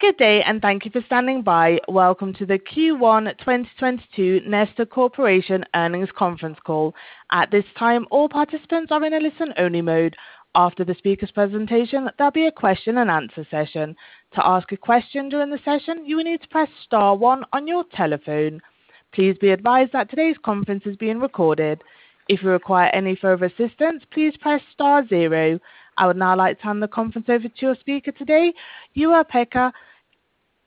Good day and thank you for standing by. Welcome to the Q1 2022 Neste Corporation Earnings Conference Call. At this time, all participants are in a listen-only mode. After the speakers' presentation, there'll be a question and answer session. To ask a question during the session, you will need to press star one on your telephone. Please be advised that today's conference is being recorded. If you require any further assistance, please press star zero. I would now like to hand the conference over to your speaker today, Juha-Pekka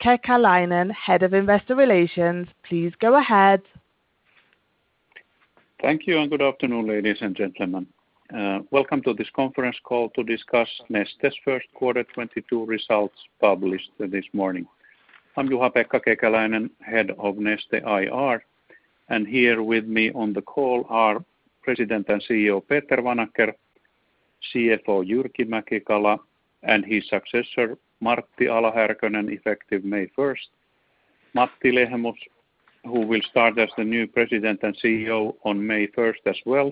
Kekäläinen, Head of Investor Relations. Please go ahead. Thank you, and good afternoon, ladies and gentlemen. Welcome to this conference call to discuss Neste's first quarter 2022 results published this morning. I'm Juha-Pekka Kekäläinen, Head of Neste IR, and here with me on the call are President and CEO Peter Vanacker, CFO Jyrki Mäki-Kala, and his successor Martti Ala-Härkönen, effective May first, Matti Lehmus, who will start as the new President and CEO on May first as well,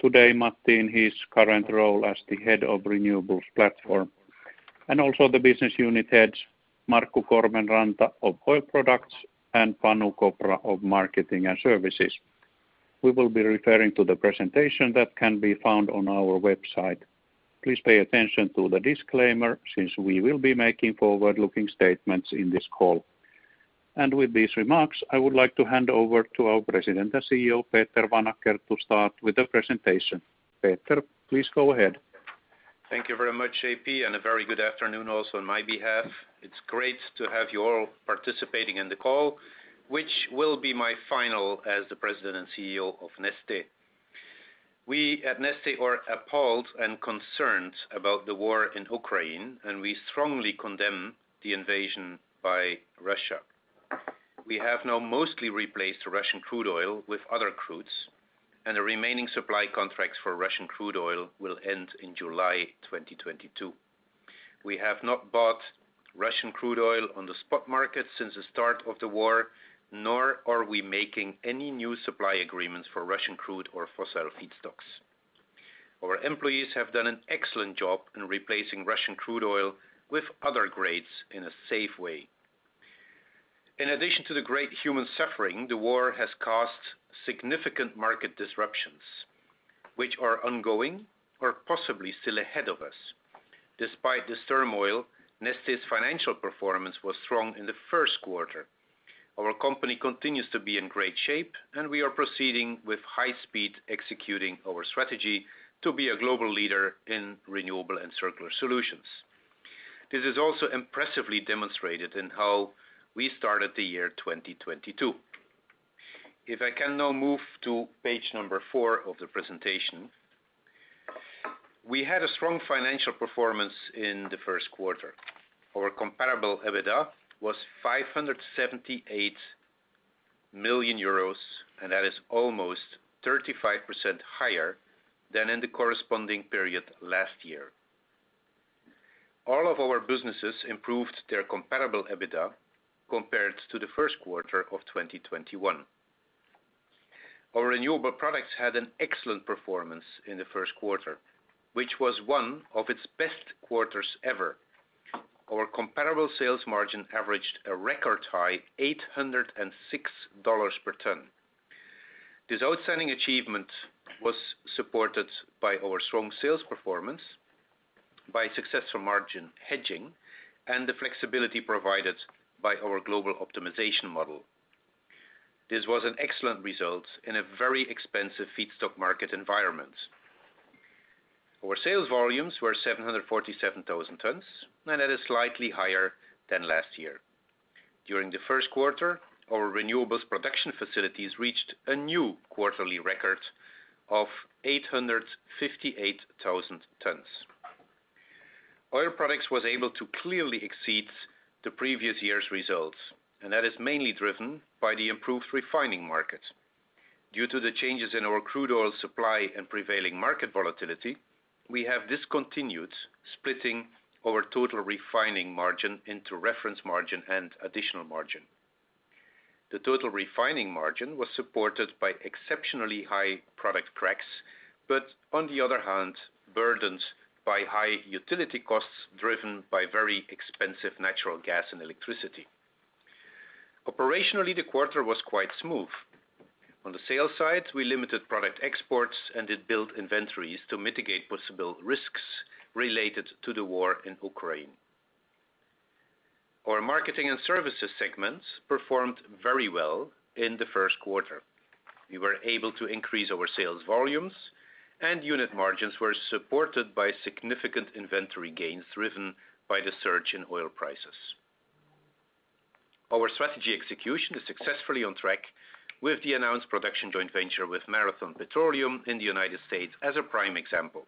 today Matti in his current role as the Head of Renewables Platform, and also the Business Unit Heads Markku Korvenranta of Oil Products and Panu Kopra of Marketing & Services. We will be referring to the presentation that can be found on our website. Please pay attention to the disclaimer since we will be making forward-looking statements in this call. With these remarks, I would like to hand over to our President and CEO, Peter Vanacker, to start with the presentation. Peter, please go ahead. Thank you very much, JP, and a very good afternoon also on my behalf. It's great to have you all participating in the call, which will be my final as the President and CEO of Neste. We at Neste are appalled and concerned about the war in Ukraine, and we strongly condemn the invasion by Russia. We have now mostly replaced Russian crude oil with other crudes, and the remaining supply contracts for Russian crude oil will end in July 2022. We have not bought Russian crude oil on the spot market since the start of the war, nor are we making any new supply agreements for Russian crude or fossil feedstocks. Our employees have done an excellent job in replacing Russian crude oil with other grades in a safe way. In addition to the great human suffering, the war has caused significant market disruptions which are ongoing or possibly still ahead of us. Despite this turmoil, Neste's financial performance was strong in the first quarter. Our company continues to be in great shape, and we are proceeding with high speed, executing our strategy to be a global leader in renewable and circular solutions. This is also impressively demonstrated in how we started the year 2022. If I can now move to Page 4 of the presentation. We had a strong financial performance in the first quarter. Our comparable EBITDA was 578 million euros, and that is almost 35% higher than in the corresponding period last year. All of our businesses improved their comparable EBITDA compared to the first quarter of 2021. Our Renewable Products had an excellent performance in the first quarter, which was one of its best quarters ever. Our comparable sales margin averaged a record high $806 per ton. This outstanding achievement was supported by our strong sales performance, by successful margin hedging, and the flexibility provided by our global optimization model. This was an excellent result in a very expensive feedstock market environment. Our sales volumes were 747,000 tons, and that is slightly higher than last year. During the first quarter, our renewables production facilities reached a new quarterly record of 858,000 tons. Oil Products was able to clearly exceed the previous year's results, and that is mainly driven by the improved refining market. Due to the changes in our crude oil supply and prevailing market volatility, we have discontinued splitting our total refining margin into reference margin and additional margin. The total refining margin was supported by exceptionally high product cracks, but on the other hand, burdened by high utility costs driven by very expensive natural gas and electricity. Operationally, the quarter was quite smooth. On the sales side, we limited product exports and then built inventories to mitigate possible risks related to the war in Ukraine. Our Marketing & Services segments performed very well in the first quarter. We were able to increase our sales volumes, and unit margins were supported by significant inventory gains driven by the surge in oil prices. Our strategy execution is successfully on track with the announced production joint venture with Marathon Petroleum in the United States as a prime example,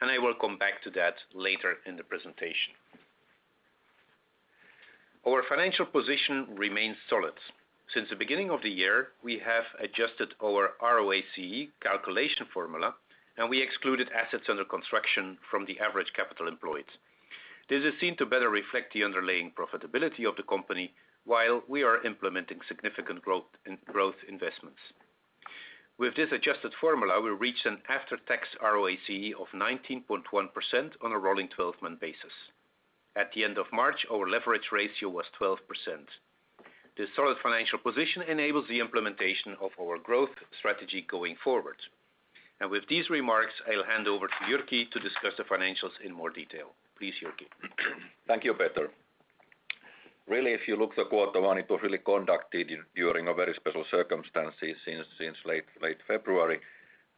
and I will come back to that later in the presentation. Our financial position remains solid. Since the beginning of the year, we have adjusted our ROACE calculation formula, and we excluded assets under construction from the average capital employed. This is seen to better reflect the underlying profitability of the company while we are implementing significant growth in growth investments. With this adjusted formula, we reached an after-tax ROACE of 19.1% on a rolling 12-month basis. At the end of March, our leverage ratio was 12%. This solid financial position enables the implementation of our growth strategy going forward. With these remarks, I'll hand over to Jyrki to discuss the financials in more detail. Please, Jyrki. Thank you, Peter. Really, if you look at the quarter one, it was really conducted during very special circumstances since late February.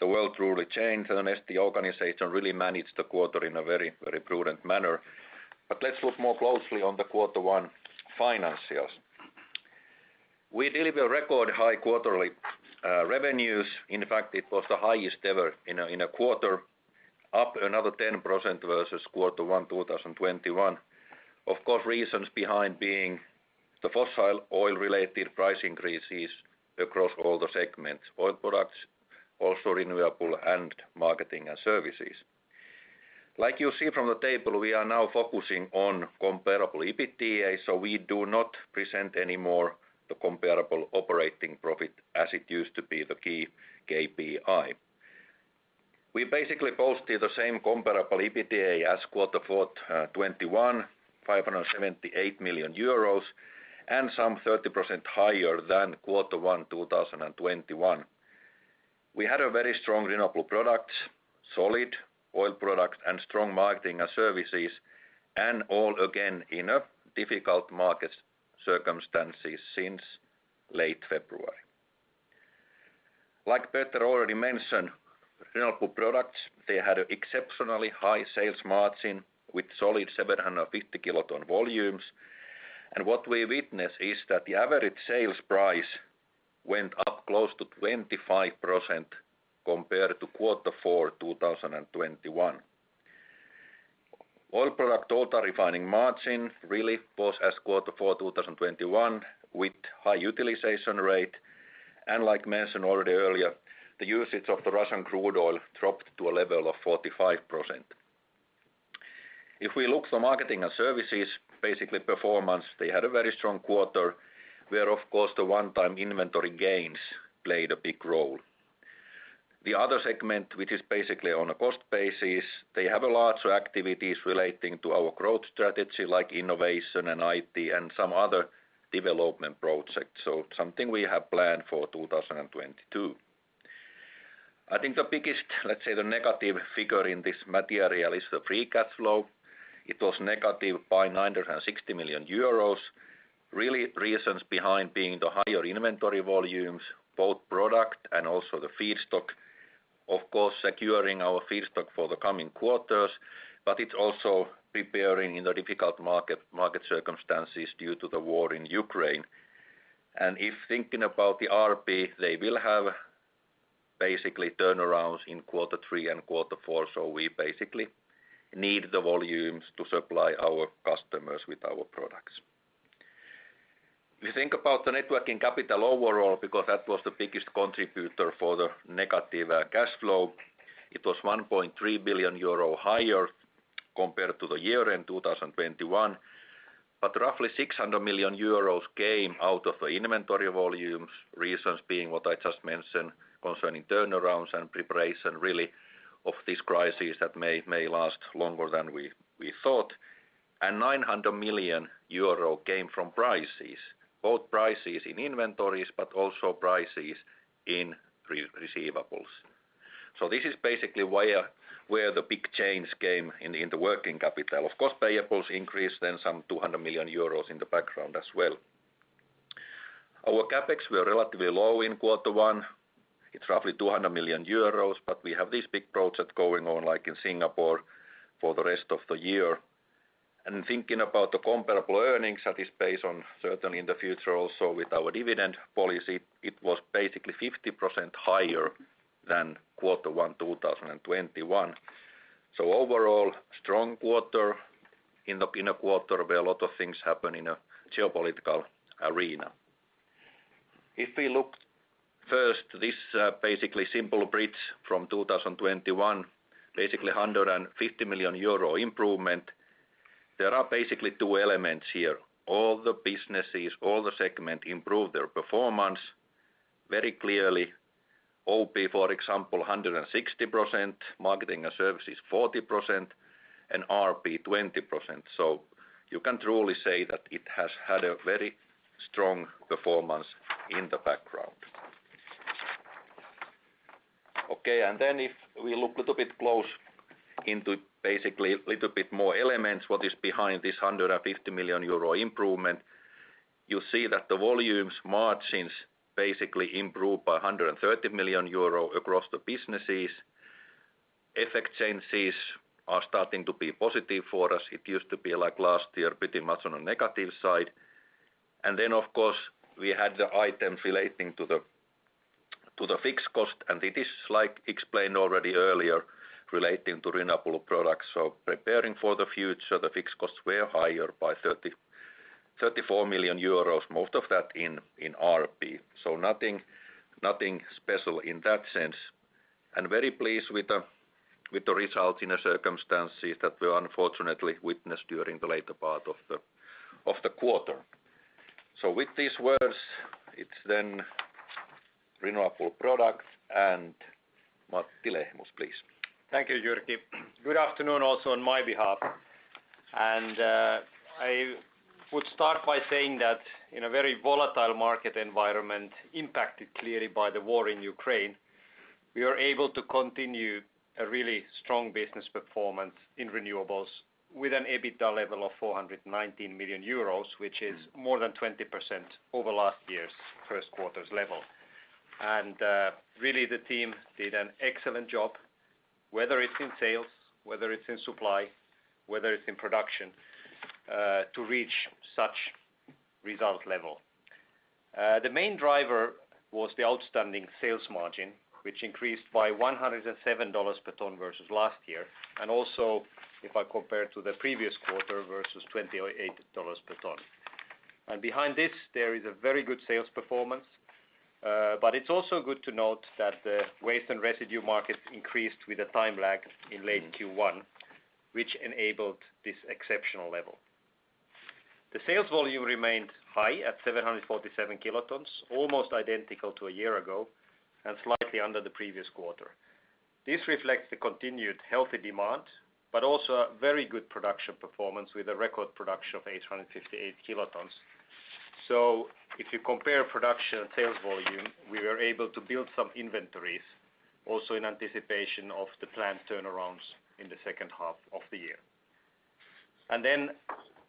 The world truly changed, and the Neste organization really managed the quarter in a very prudent manner. Let's look more closely on the quarter one financials. We delivered record high quarterly revenues. In fact, it was the highest ever in a quarter, up another 10% versus quarter one 2021. Of course, reasons behind being the fossil oil-related price increases across all the segments, Oil Products, also Renewable Products, and Marketing & Services. Like you see from the table, we are now focusing on comparable EBITDA, so we do not present any more the comparable operating profit as it used to be the key KPI. We basically posted the same comparable EBITDA as quarter four 2021, 578 million euros, and some 30% higher than quarter one 2021. We had a very strong Renewable Products, solid Oil Products, and strong Marketing & Services, and all again in a difficult market circumstances since late February. Like Peter already mentioned, Renewable Products they had exceptionally high sales margin with solid 750 kiloton volumes. What we witness is that the average sales price went up close to 25% compared to quarter four 2021. Oil Products total refining margin really was as quarter four 2021 with high utilization rate. As mentioned already earlier, the usage of the Russian crude oil dropped to a level of 45%. If we look at the Marketing & Services, basically performance, they had a very strong quarter, where, of course, the one-time inventory gains played a big role. The other segment, which is basically on a cost basis, they have a larger activities relating to our growth strategy like innovation and IT and some other development projects, so something we have planned for 2022. I think the biggest, let's say, the negative figure in this material is the free cash flow. It was negative by 960 million euros, real reasons behind being the higher inventory volumes, both product and the feedstock. Of course, securing our feedstock for the coming quarters, but it's also preparing for the difficult market circumstances due to the war in Ukraine. If thinking about the RP, they will have basically turnarounds in quarter three and quarter four, so we basically need the volumes to supply our customers with our products. We think about the net working capital overall because that was the biggest contributor for the negative cash flow. It was 1.3 billion euro higher compared to the year-end 2021. Roughly 600 million euros came out of the inventory volumes, reasons being what I just mentioned concerning turnarounds and preparation really of this crisis that may last longer than we thought. 900 million euro came from prices, both prices in inventories, but also prices in receivables. This is basically where the big change came in the working capital. Of course, payables increased then some 200 million euros in the background as well. Our CapEx were relatively low in quarter one. It's roughly 200 million euros, but we have this big project going on like in Singapore for the rest of the year. Thinking about the comparable earnings that is based on certainly in the future also with our dividend policy, it was basically 50% higher than quarter one 2021. Overall, strong quarter in a quarter where a lot of things happen in a geopolitical arena. If we look first this, basically simple bridge from 2021, basically a 150 million euro improvement, there are basically two elements here. All the businesses, all the segment improve their performance very clearly. OP, for example, 160%, Marketing & Services 40%, and RP 20%. You can truly say that it has had a very strong performance in the background. Okay. If we look a little bit close into basically little bit more elements, what is behind this 150 million euro improvement, you see that the volumes margins basically improve by 130 million euro across the businesses. FX changes are starting to be positive for us. It used to be like last year, pretty much on a negative side. Of course, we had the items relating to the fixed cost. It is like explained already earlier relating to renewable products. Preparing for the future, the fixed costs were higher by 34 million euros, most of that in RP. Nothing special in that sense. Very pleased with the results in the circumstances that we unfortunately witnessed during the later part of the quarter. With these words, it's then Renewable Products and Matti Lehmus, please. Thank you, Jyrki. Good afternoon also on my behalf. I would start by saying that in a very volatile market environment impacted clearly by the war in Ukraine, we are able to continue a really strong business performance in renewables with an EBITDA level of 419 million euros, which is more than 20% over last year's first quarter's level. Really the team did an excellent job, whether it's in sales, whether it's in supply, whether it's in production, to reach such result level. The main driver was the outstanding sales margin, which increased by $107 per ton versus last year, and also if I compare to the previous quarter versus $28 per ton. Behind this, there is a very good sales performance, but it's also good to note that the waste and residue markets increased with a time lag in late Q1, which enabled this exceptional level. The sales volume remained high at 747 kilotons, almost identical to a year ago and slightly under the previous quarter. This reflects the continued healthy demand, but also a very good production performance with a record production of 858 kilotons. If you compare production and sales volume, we were able to build some inventories also in anticipation of the planned turnarounds in the second half of the year.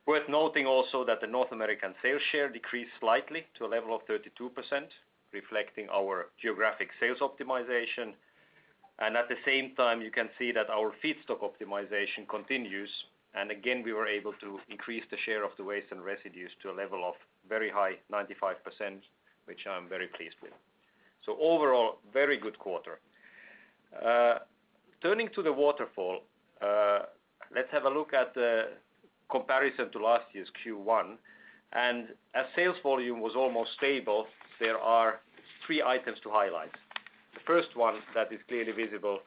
Worth noting also that the North American sales share decreased slightly to a level of 32%, reflecting our geographic sales optimization. At the same time, you can see that our feedstock optimization continues. Again, we were able to increase the share of the waste and residues to a level of very high 95%, which I'm very pleased with. Overall, very good quarter. Turning to the waterfall, let's have a look at the comparison to last year's Q1. As sales volume was almost stable, there are three items to highlight. The first one that is clearly visible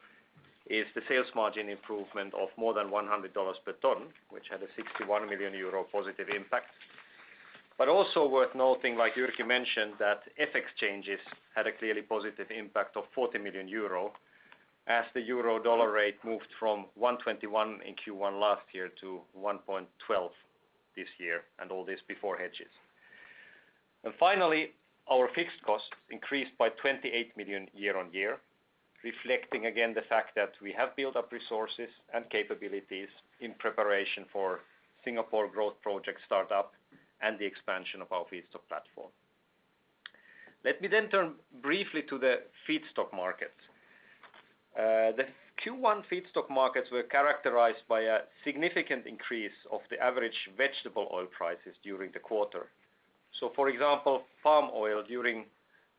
is the sales margin improvement of more than $100 per ton, which had a 61 million euro positive impact. Also worth noting, like Jyrki mentioned, that FX changes had a clearly positive impact of 40 million euro as the euro dollar rate moved from 1.21 in Q1 last year to 1.12 this year, and all this before hedges. Finally, our fixed costs increased by 28 million year-over-year, reflecting again the fact that we have built up resources and capabilities in preparation for Singapore growth project start up and the expansion of our feedstock platform. Let me turn briefly to the feedstock markets. The Q1 feedstock markets were characterized by a significant increase of the average vegetable oil prices during the quarter. For example, palm oil during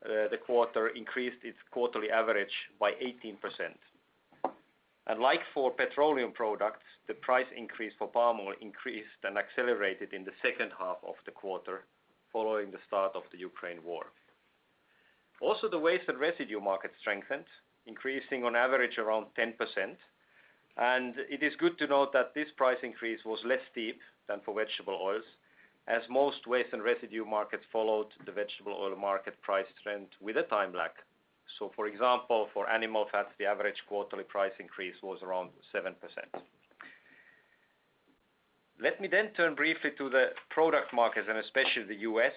the quarter increased its quarterly average by 18%. Like for petroleum products, the price increase for palm oil increased and accelerated in the second half of the quarter following the start of the Ukraine war. Also, the waste and residue market strengthened, increasing on average around 10%. It is good to note that this price increase was less steep than for vegetable oils, as most waste and residue markets followed the vegetable oil market price trend with a time lag. For example, for animal fats, the average quarterly price increase was around 7%. Let me then turn briefly to the product markets and especially the US,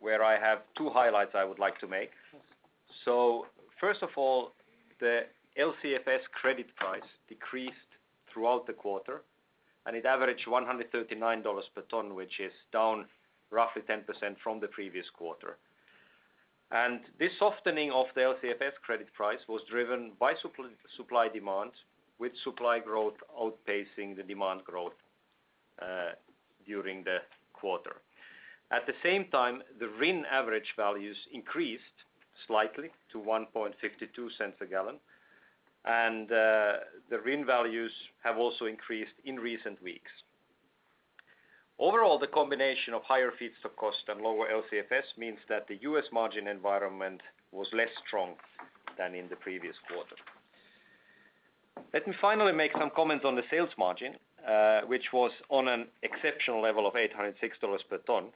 where I have two highlights I would like to make. First of all, the LCFS credit price decreased throughout the quarter, and it averaged $139 per ton, which is down roughly 10% from the previous quarter. This softening of the LCFS credit price was driven by supply demand, with supply growth outpacing the demand growth during the quarter. At the same time, the RIN average values increased slightly to 1.52 cents a gallon, and the RIN values have also increased in recent weeks. Overall, the combination of higher feedstock cost and lower LCFS means that the U.S. margin environment was less strong than in the previous quarter. Let me finally make some comments on the sales margin, which was on an exceptional level of $806 per ton,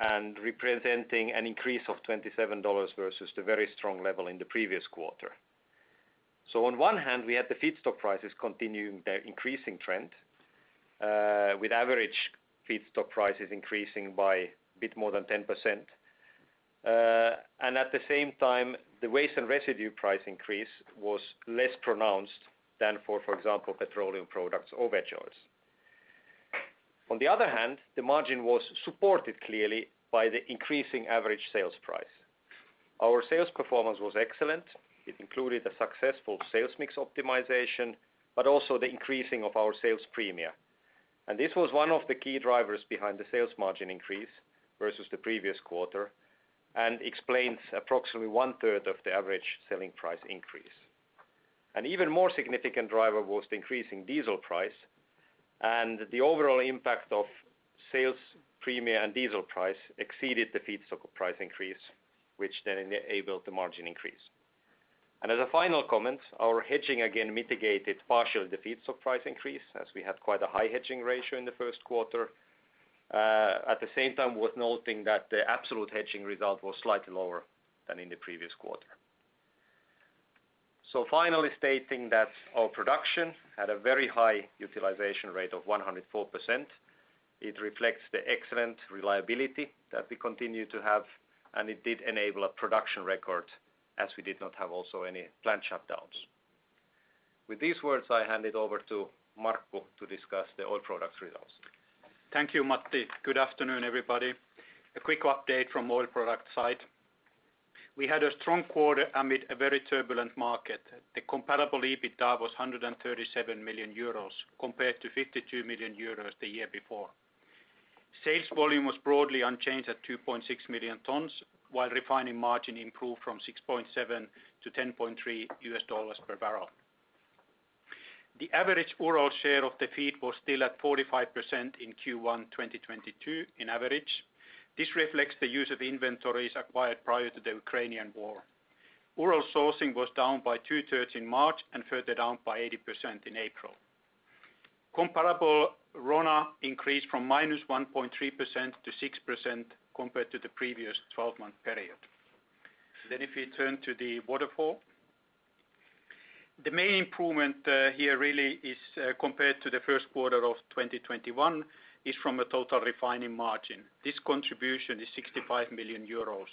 and representing an increase of $27 versus the very strong level in the previous quarter. On one hand, we had the feedstock prices continuing their increasing trend, with average feedstock prices increasing by a bit more than 10%. And at the same time, the waste and residue price increase was less pronounced than for example, petroleum products or veg oils. On the other hand, the margin was supported clearly by the increasing average sales price. Our sales performance was excellent. It included a successful sales mix optimization, but also the increasing of our sales premia. This was one of the key drivers behind the sales margin increase versus the previous quarter and explains approximately one-third of the average selling price increase. An even more significant driver was the increasing diesel price, and the overall impact of sales premia and diesel price exceeded the feedstock price increase, which then enabled the margin increase. As a final comment, our hedging again mitigated partially the feedstock price increase, as we had quite a high hedging ratio in the first quarter. At the same time, worth noting that the absolute hedging result was slightly lower than in the previous quarter. Finally stating that our production had a very high utilization rate of 104%. It reflects the excellent reliability that we continue to have, and it did enable a production record as we did not have also any plant shutdowns. With these words, I hand it over to Markku to discuss the Oil Products results. Thank you, Matti. Good afternoon, everybody. A quick update from Oil Products side. We had a strong quarter amid a very turbulent market. The comparable EBITDA was 137 million euros compared to 52 million euros the year before. Sales volume was broadly unchanged at 2.6 million tons, while refining margin improved from $6.7 to $10.3 per barrel. The average Urals share of the feed was still at 45% in Q1 2022 in average. This reflects the use of inventories acquired prior to the Ukrainian war. Urals sourcing was down by 2/3 in March and further down by 80% in April. Comparable RONA increased from -1.3% to 6% compared to the previous twelve-month period. If we turn to the waterfall. The main improvement here really is compared to the first quarter of 2021 is from a total refining margin. This contribution is 65 million euros.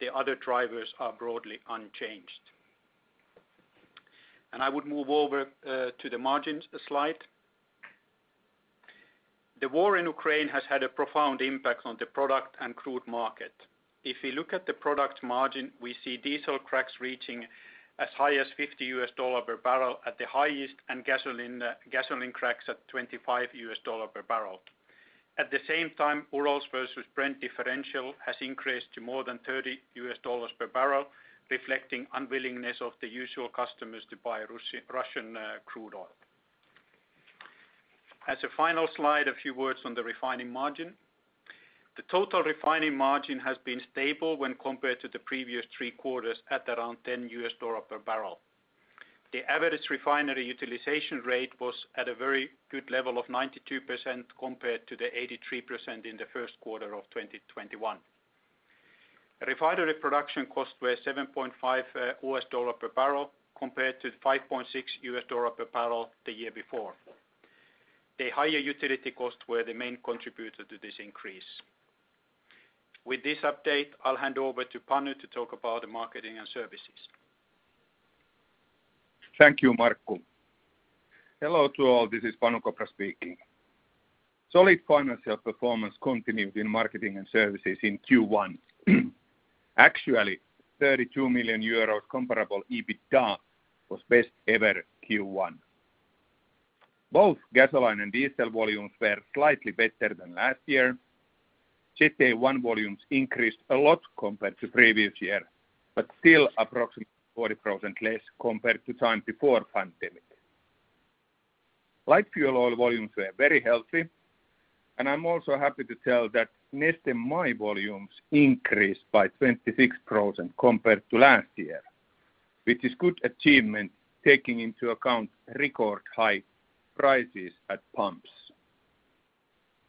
The other drivers are broadly unchanged. I would move over to the margins slide. The war in Ukraine has had a profound impact on the product and crude market. If we look at the product margin, we see diesel cracks reaching as high as $50 per barrel at the highest, and gasoline cracks at $25 per barrel. At the same time, Urals versus Brent differential has increased to more than $30 per barrel, reflecting unwillingness of the usual customers to buy Russian crude oil. As a final slide, a few words on the refining margin. The total refining margin has been stable when compared to the previous three quarters at around $10 per barrel. The average refinery utilization rate was at a very good level of 92% compared to the 83% in the first quarter of 2021. Refinery production costs were $7.5 per barrel compared to $5.6 per barrel the year before. The higher utility costs were the main contributor to this increase. With this update, I'll hand over to Panu to talk about the Marketing & Services. Thank you, Markku Korvenranta. Hello to all. This is Panu Kopra speaking. Solid financial performance continued in Marketing & Services in Q1. Actually, 32 million euro comparable EBITDA was best ever Q1. Both gasoline and diesel volumes were slightly better than last year. Jet A-1 volumes increased a lot compared to previous year, but still approximately 40% less compared to time before pandemic. Light fuel oil volumes were very healthy, and I'm also happy to tell that Neste MY volumes increased by 26% compared to last year, which is good achievement taking into account record high prices at pumps.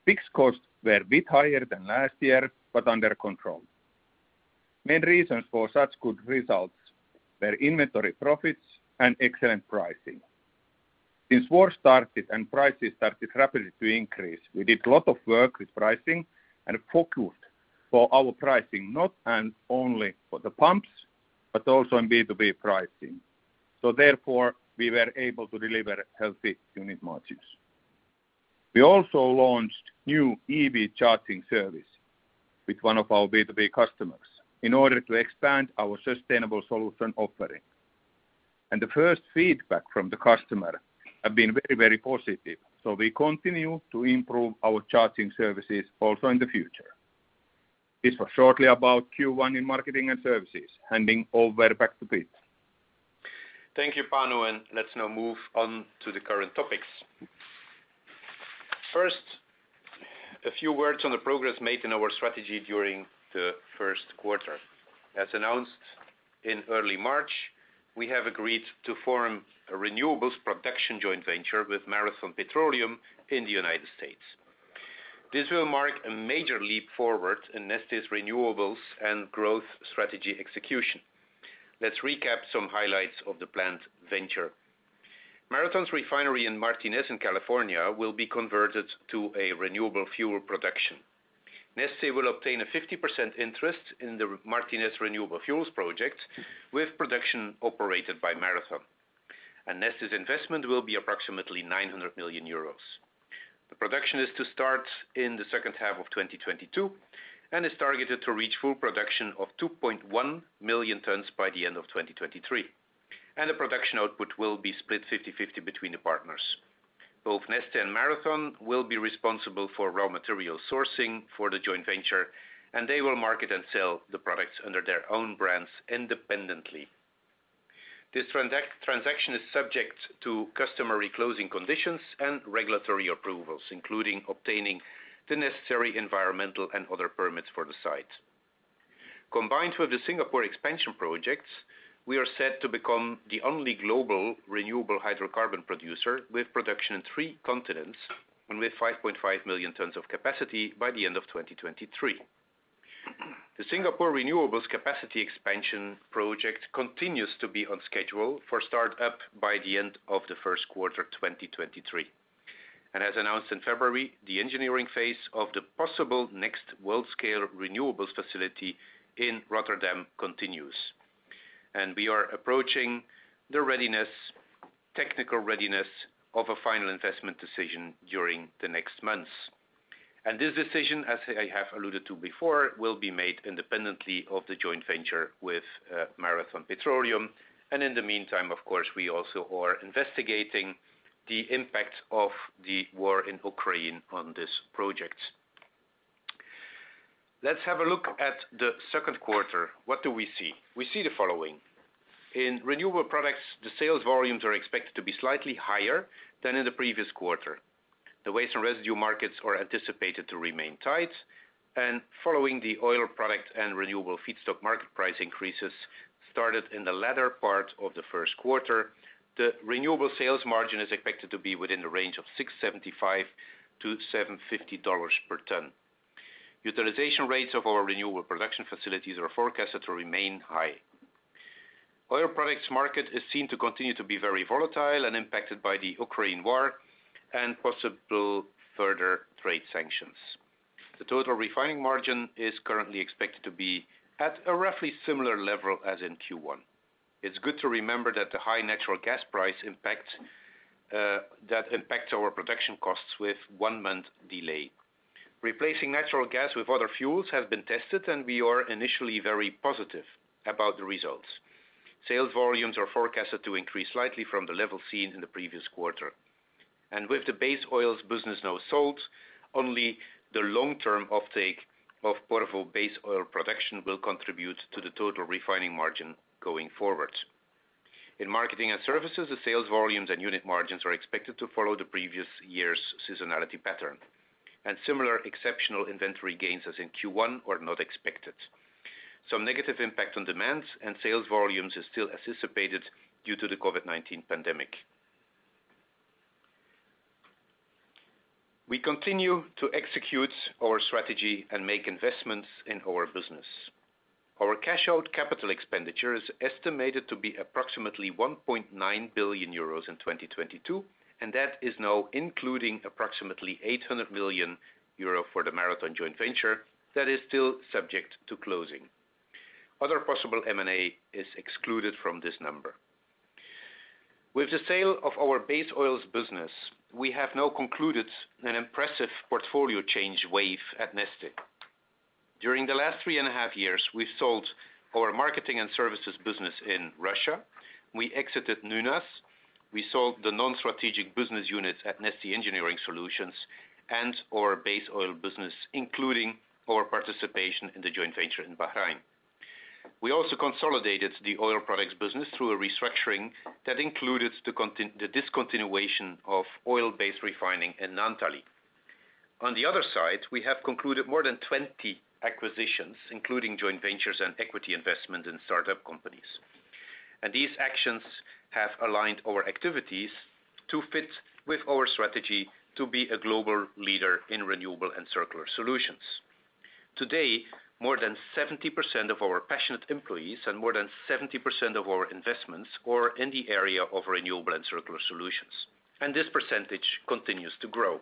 Fixed costs were a bit higher than last year, but under control. Main reasons for such good results were inventory profits and excellent pricing. Since the war started and prices started rapidly to increase, we did a lot of work with pricing and focused on our pricing not only for the pumps, but also in B2B pricing. Therefore, we were able to deliver healthy unit margins. We also launched new EV charging service with one of our B2B customers in order to expand our sustainable solution offering. The first feedback from the customer has been very, very positive, so we continue to improve our charging services also in the future. This was shortly about Q1 in Marketing & Services. Handing over back to Pete. Thank you, Panu, and let's now move on to the current topics. First, a few words on the progress made in our strategy during the first quarter. As announced in early March, we have agreed to form a renewables production joint venture with Marathon Petroleum in the United States. This will mark a major leap forward in Neste's renewables and growth strategy execution. Let's recap some highlights of the planned venture. Marathon's refinery in Martinez in California will be converted to a renewable fuel production. Neste will obtain a 50% interest in the Martinez Renewable Fuels project with production operated by Marathon. Neste's investment will be approximately 900 million euros. The production is to start in the second half of 2022 and is targeted to reach full production of 2.1 million tons by the end of 2023. The production output will be split 50/50 between the partners. Both Neste and Marathon will be responsible for raw material sourcing for the joint venture, and they will market and sell the products under their own brands independently. This transaction is subject to customary closing conditions and regulatory approvals, including obtaining the necessary environmental and other permits for the site. Combined with the Singapore expansion projects, we are set to become the only global renewable hydrocarbon producer with production in three continents and with 5.5 million tons of capacity by the end of 2023. The Singapore renewables capacity expansion project continues to be on schedule for start up by the end of the first quarter 2023. As announced in February, the engineering phase of the possible next world scale renewables facility in Rotterdam continues. We are approaching the readiness, technical readiness of a final investment decision during the next months. This decision, as I have alluded to before, will be made independently of the joint venture with Marathon Petroleum. In the meantime, of course, we also are investigating the impact of the war in Ukraine on this project. Let's have a look at the second quarter. What do we see? We see the following. In Renewable Products, the sales volumes are expected to be slightly higher than in the previous quarter. The waste and residue markets are anticipated to remain tight. Following the Oil Products and renewable feedstock market price increases started in the latter part of the first quarter, the renewable sales margin is expected to be within the range of $675-$750 per ton. Utilization rates of our renewable production facilities are forecasted to remain high. Oil products market is seen to continue to be very volatile and impacted by the Ukraine war and possible further trade sanctions. The total refining margin is currently expected to be at a roughly similar level as in Q1. It's good to remember that the high natural gas price impact that impacts our production costs with one month delay. Replacing natural gas with other fuels has been tested, and we are initially very positive about the results. Sales volumes are forecasted to increase slightly from the level seen in the previous quarter. With the base oils business now sold, only the long term offtake of Porvoo base oil production will contribute to the total refining margin going forward. In Marketing & Services, the sales volumes and unit margins are expected to follow the previous year's seasonality pattern, and similar exceptional inventory gains as in Q1 are not expected. Some negative impact on demands and sales volumes is still anticipated due to the COVID-19 pandemic. We continue to execute our strategy and make investments in our business. Our cash out capital expenditure is estimated to be approximately 1.9 billion euros in 2022, and that is now including approximately 800 million euro for the Marathon joint venture that is still subject to closing. Other possible M&A is excluded from this number. With the sale of our base oils business, we have now concluded an impressive portfolio change wave at Neste. During the last three and a half years, we sold our Marketing & Services business in Russia. We exited Nynas. We sold the non-strategic business units at Neste Engineering Solutions and our base oil business, including our participation in the joint venture in Bahrain. We also consolidated the oil products business through a restructuring that included the discontinuation of oil-based refining in Naantali. On the other side, we have concluded more than 20 acquisitions, including joint ventures and equity investment in start-up companies. These actions have aligned our activities to fit with our strategy to be a global leader in renewable and circular solutions. Today, more than 70% of our passionate employees and more than 70% of our investments are in the area of renewable and circular solutions, and this percentage continues to grow.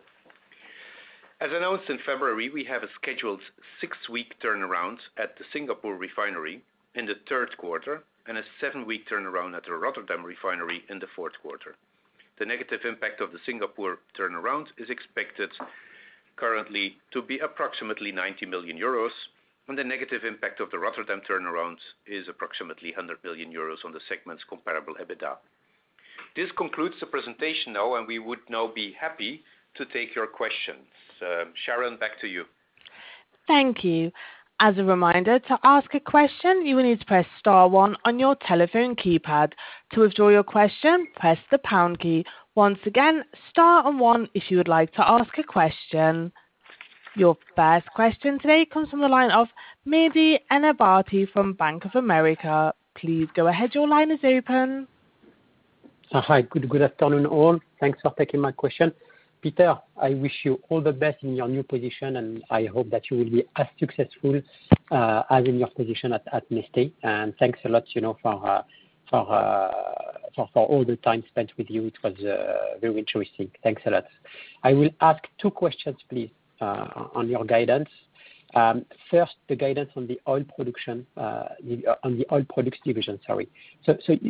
As announced in February, we have a scheduled 6-week turnaround at the Singapore refinery in the third quarter and a 7-week turnaround at the Rotterdam refinery in the fourth quarter. The negative impact of the Singapore turnaround is expected currently to be approximately 90 million euros, and the negative impact of the Rotterdam turnaround is approximately 100 million euros on the segment's comparable EBITDA. This concludes the presentation now, and we would now be happy to take your questions. Sharon, back to you. Thank you. As a reminder, to ask a question, you will need to press star one on your telephone keypad. To withdraw your question, press the pound key. Once again, star and one if you would like to ask a question. Your first question today comes from the line of Mehdi Ennabati from Bank of America. Please go ahead. Your line is open. Hi. Good afternoon, all. Thanks for taking my question. Peter, I wish you all the best in your new position, and I hope that you will be as successful as in your position at Neste. Thanks a lot, you know, for all the time spent with you. It was very interesting. Thanks a lot. I will ask two questions, please, on your guidance. First, the guidance on the oil production, on the Oil Products division, sorry.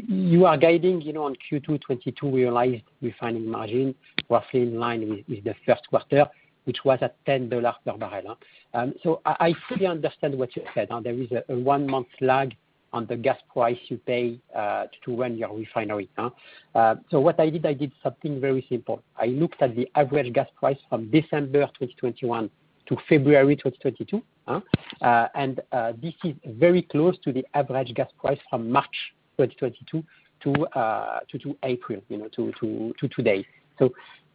You are guiding, you know, on Q2 2022, your refining margin roughly in line with the first quarter, which was at $10 per barrel. I fully understand what you said. Now, there is a one-month lag on the gas price you pay to run your refinery. What I did, I did something very simple. I looked at the average gas price from December 2021 to February 2022, and this is very close to the average gas price from March 2022 to April, you know, to today.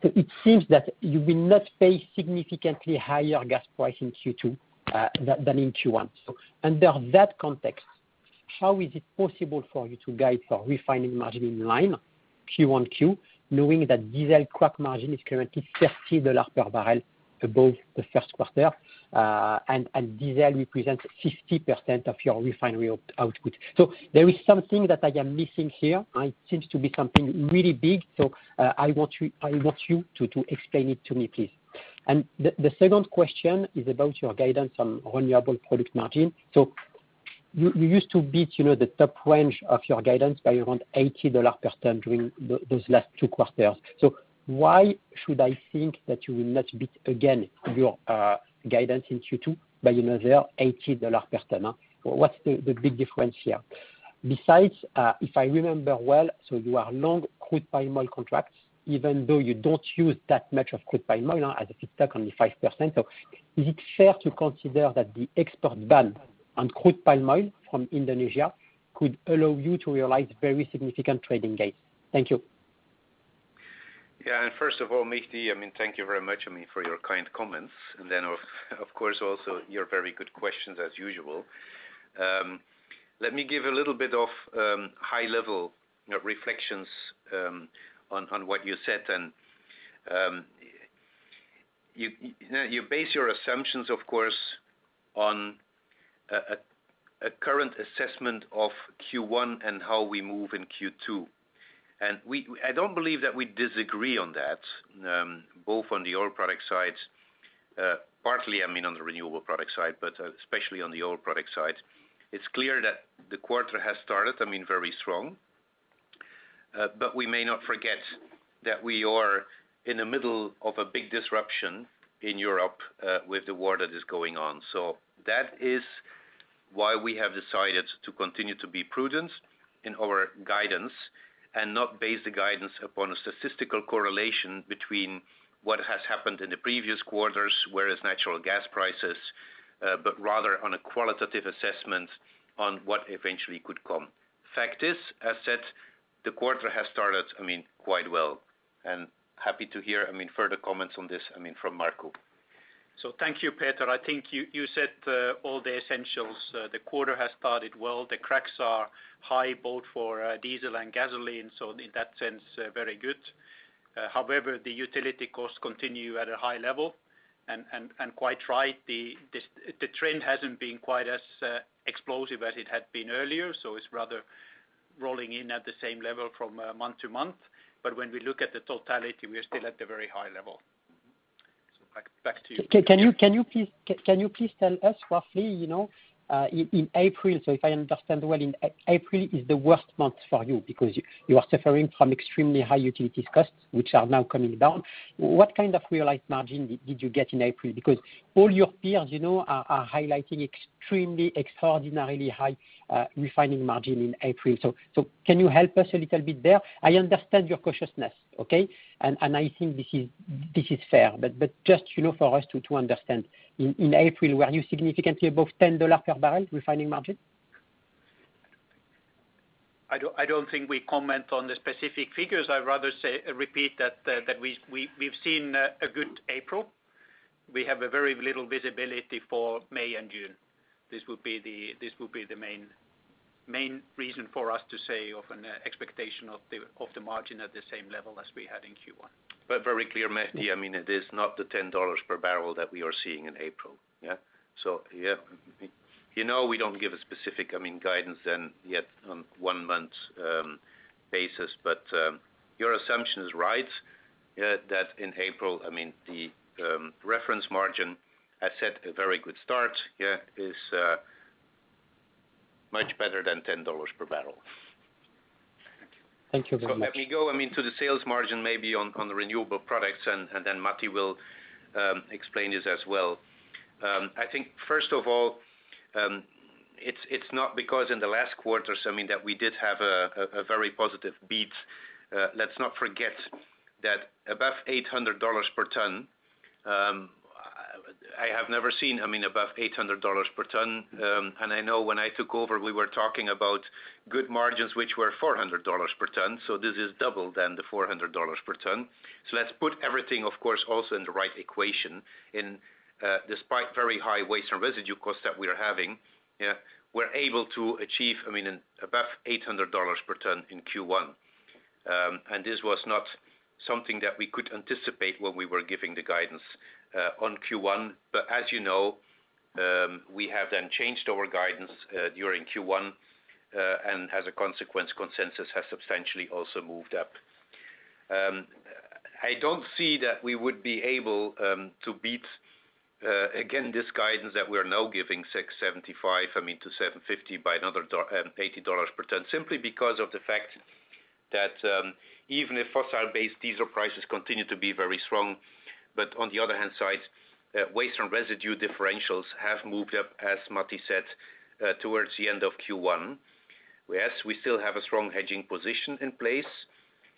It seems that you will not pay significantly higher gas price in Q2 than in Q1. Under that context, how is it possible for you to guide for refining margin in line Q on Q, knowing that diesel crack margin is currently $30 per barrel above the first quarter, and diesel represents 60% of your refinery output. There is something that I am missing here. It seems to be something really big. I want you to explain it to me, please. The second question is about your guidance on renewable product margin. You used to beat, you know, the top range of your guidance by around $80 per ton during those last 2 quarters. Why should I think that you will not beat again your guidance in Q2 by another $80 per ton? Or what's the big difference here? Besides, if I remember well, you are long crude palm oil contracts, even though you don't use that much of crude palm oil as a feedstock, only 5%. Is it fair to consider that the export ban on crude palm oil from Indonesia could allow you to realize very significant trading gains? Thank you. Yeah. First of all, Mehdi, I mean, thank you very much, I mean, for your kind comments and then of course also your very good questions as usual. Let me give a little bit of high level reflections on what you said. You base your assumptions, of course, on a current assessment of Q1 and how we move in Q2. I don't believe that we disagree on that both on the Oil Products side, partly, I mean, on the Renewable Products side, but especially on the Oil Products side. It's clear that the quarter has started very strong. But we may not forget that we are in the middle of a big disruption in Europe with the war that is going on. That is why we have decided to continue to be prudent in our guidance and not base the guidance upon a statistical correlation between what has happened in the previous quarters, whereas natural gas prices, but rather on a qualitative assessment on what eventually could come. Fact is, as said, the quarter has started, I mean, quite well, and happy to hear, I mean, further comments on this, I mean, from Markku. Thank you, Peter. I think you said all the essentials. The quarter has started well. The cracks are high both for diesel and gasoline. In that sense, very good. However, the utility costs continue at a high level. Quite right, the trend hasn't been quite as explosive as it had been earlier, so it's rather rolling in at the same level from month to month. When we look at the totality, we are still at a very high level. Back to you. Can you please tell us roughly, you know, in April, so if I understand well, in April is the worst month for you because you are suffering from extremely high utilities costs, which are now coming down. What kind of realized margin did you get in April? Because all your peers, you know, are highlighting extremely extraordinarily high refining margin in April. So can you help us a little bit there? I understand your cautiousness, okay? I think this is fair. Just, you know, for us to understand, in April, were you significantly above $10 per barrel refining margin? I don't think we comment on the specific figures. I'd rather say, repeat that we've seen a good April. We have very little visibility for May and June. This will be the main reason for us to say of an expectation of the margin at the same level as we had in Q1. Very clear, Mehdi. I mean, it is not the $10 per barrel that we are seeing in April. You know we don't give a specific, I mean, guidance then yet on one month basis. Your assumption is right, that in April, I mean, the reference margin has set a very good start, is much better than $10 per barrel. Thank you very much. If we go, I mean, to the sales margin maybe on the Renewable Products, and then Matti will explain this as well. I think first of all, it's not because in the last quarters, I mean, that we did have a very positive beat. Let's not forget that above $800 per ton, I have never seen above $800 per ton. I know when I took over, we were talking about good margins, which were $400 per ton, so this is double than the $400 per ton. Let's put everything, of course, also in the right equation. Despite very high waste and residue costs that we are having, we're able to achieve above $800 per ton in Q1. This was not something that we could anticipate when we were giving the guidance on Q1. As you know, we have then changed our guidance during Q1, and as a consequence, consensus has substantially also moved up. I don't see that we would be able to beat again this guidance that we are now giving $675, I mean, to $750 by another $80 per ton, simply because of the fact that even if fossil-based diesel prices continue to be very strong, but on the other hand side, waste and residue differentials have moved up, as Matti said, towards the end of Q1. Yes, we still have a strong hedging position in place,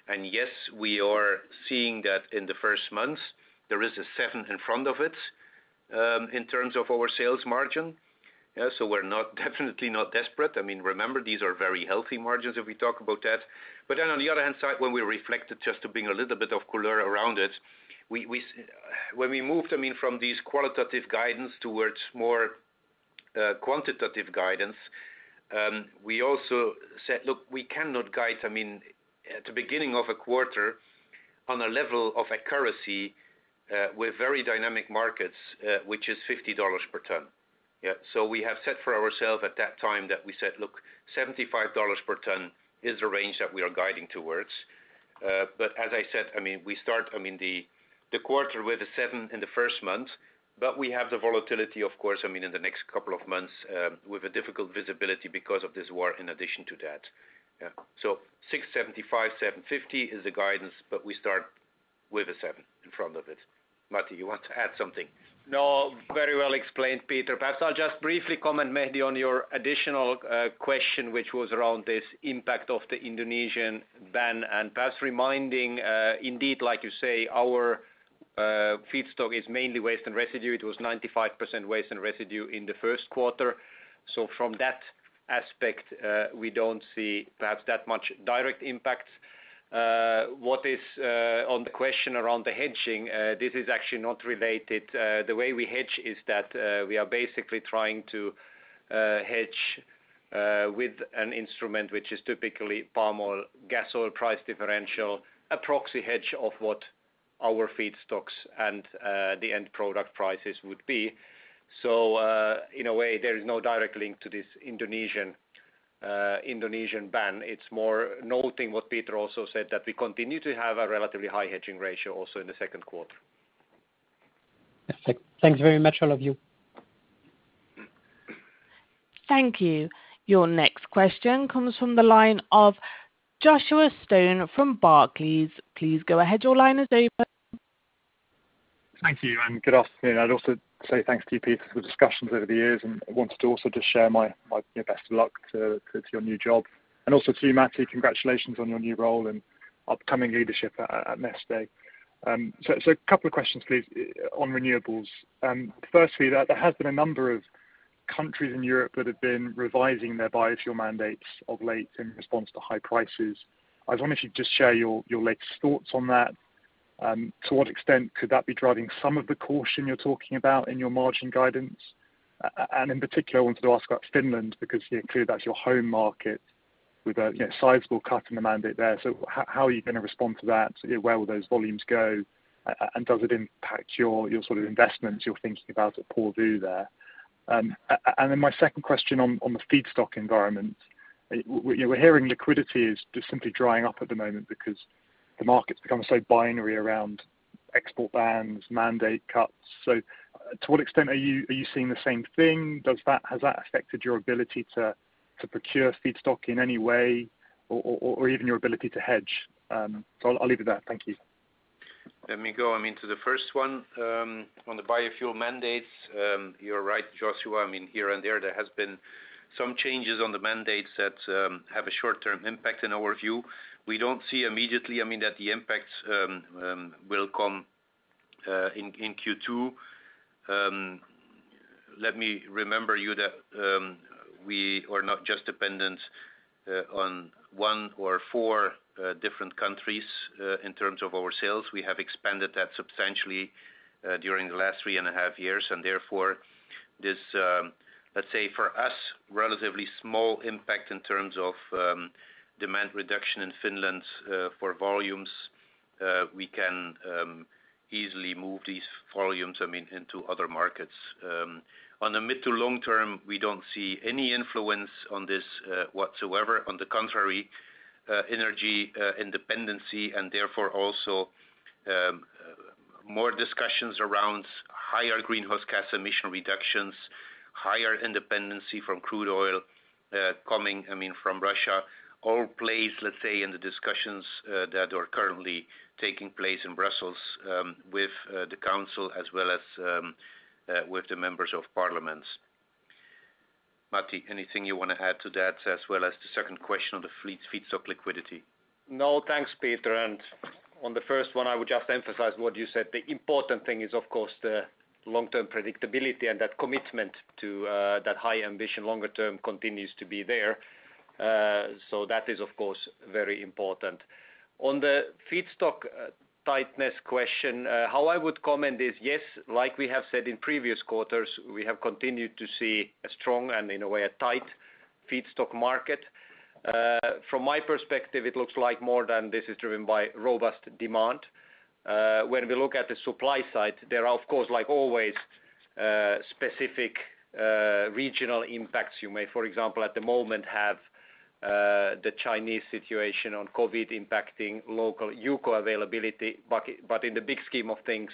and yes, we are seeing that in the first months there is a seven in front of it, in terms of our sales margin. Yeah, so we're not definitely not desperate. I mean, remember, these are very healthy margins if we talk about that. On the other hand side, when we reflect it just to bring a little bit of color around it, when we moved, I mean, from these qualitative guidance towards more quantitative guidance, we also said, look, we cannot guide, I mean, at the beginning of a quarter on a level of accuracy with very dynamic markets, which is $50 per ton. Yeah. We have set for ourselves at that time that we said, look, $75 per ton is the range that we are guiding towards. But as I said, I mean, we start the quarter with a seven in the first month, but we have the volatility of course, I mean, in the next couple of months with a difficult visibility because of this war in addition to that. Yeah. 675-750 is the guidance, but we start with a seven in front of it. Matti, you want to add something? No. Very well explained, Peter. Perhaps I'll just briefly comment, Mehdi, on your additional question, which was around this impact of the Indonesian ban, and perhaps reminding, indeed, like you say, our feedstock is mainly waste and residue. It was 95% waste and residue in the first quarter. From that aspect, we don't see perhaps that much direct impact. What is on the question around the hedging, this is actually not related. The way we hedge is that we are basically trying to hedge with an instrument which is typically palm oil, gas oil price differential, a proxy hedge of what our feedstocks and the end product prices would be. In a way, there is no direct link to this Indonesian ban. It's more noting what Peter also said, that we continue to have a relatively high hedging ratio also in the second quarter. Thanks very much, all of you. Thank you. Your next question comes from the line of Joshua Stone from Barclays. Please go ahead. Your line is open. Thank you, and good afternoon. I'd also say thanks to you, Peter, for the discussions over the years, and I wanted to also just share my, you know, best of luck to your new job. Also to you, Matti, congratulations on your new role and upcoming leadership at Neste. A couple of questions, please, on renewables. Firstly, there has been a number of countries in Europe that have been revising their biofuel mandates of late in response to high prices. I was wondering if you'd just share your latest thoughts on that. To what extent could that be driving some of the caution you're talking about in your margin guidance? And in particular, I wanted to ask about Finland, because clearly that's your home market with a, you know, sizable cut in the mandate there. How are you gonna respond to that? Where will those volumes go? Does it impact your sort of investments you're thinking about or purview there? Then my second question on the feedstock environment. We're hearing liquidity is just simply drying up at the moment because the market's become so binary around export bans, mandate cuts. To what extent are you seeing the same thing? Has that affected your ability to procure feedstock in any way or even your ability to hedge? I'll leave it there. Thank you. Let me go, I mean, to the first one. On the biofuel mandates, you're right, Joshua. I mean, here and there have been some changes on the mandates that have a short-term impact in our view. We don't see immediately, I mean, that the impacts will come in Q2. Let me remind you that we are not just dependent on one or more different countries in terms of our sales. We have expanded that substantially during the last three and a half years, and therefore this, let's say for us, relatively small impact in terms of demand reduction in Finland for volumes. We can easily move these volumes, I mean, into other markets. On the mid to long term, we don't see any influence on this whatsoever. On the contrary, energy independence and therefore also more discussions around higher greenhouse gas emission reductions, higher independence from crude oil coming, I mean, from Russia, all plays, let's say, in the discussions that are currently taking place in Brussels with the council as well as with the members of parliaments. Matti, anything you wanna add to that, as well as the second question on the fleet, feedstock liquidity? No. Thanks, Peter. On the first one, I would just emphasize what you said. The important thing is, of course, the long-term predictability and that commitment to that high ambition longer term continues to be there. That is, of course, very important. On the feedstock tightness question, how I would comment is, yes, like we have said in previous quarters, we have continued to see a strong and in a way, a tight feedstock market. From my perspective, it looks like more than this is driven by robust demand. When we look at the supply side, there are, of course, like always, specific regional impacts. You may, for example, at the moment have the Chinese situation on COVID impacting local UCO availability. In the big scheme of things,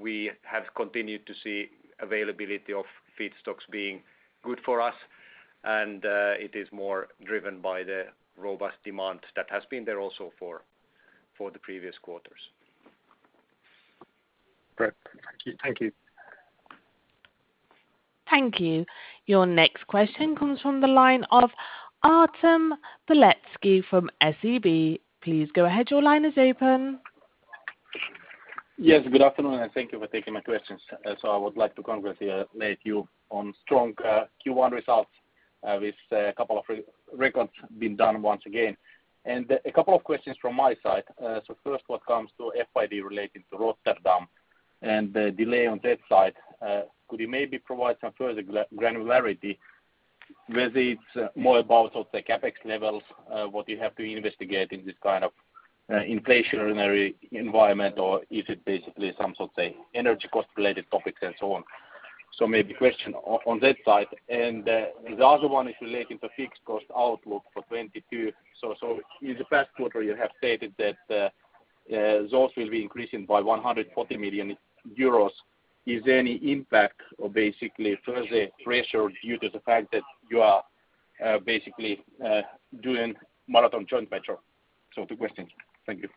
we have continued to see availability of feedstocks being good for us, and it is more driven by the robust demand that has been there also for the previous quarters. Great. Thank you. Thank you. Thank you. Your next question comes from the line of Artem Beletski from SEB. Please go ahead. Your line is open. Yes, good afternoon, and thank you for taking my questions. I would like to congratulate you on strong Q1 results with a couple of records being done once again. A couple of questions from my side. First when it comes to FID relating to Rotterdam and the delay on that side, could you maybe provide some further granularity, whether it's more about sort of the CapEx levels, what you have to investigate in this kind of inflationary environment, or is it basically some sort of, say, energy cost related topics and so on? Maybe question on that side. The other one is relating to fixed cost outlook for 2022. In the past quarter you have stated that those will be increasing by 140 million euros. Is there any impact or basically further pressure due to the fact that you are, basically, doing Marathon joint venture? Two questions. Thank you.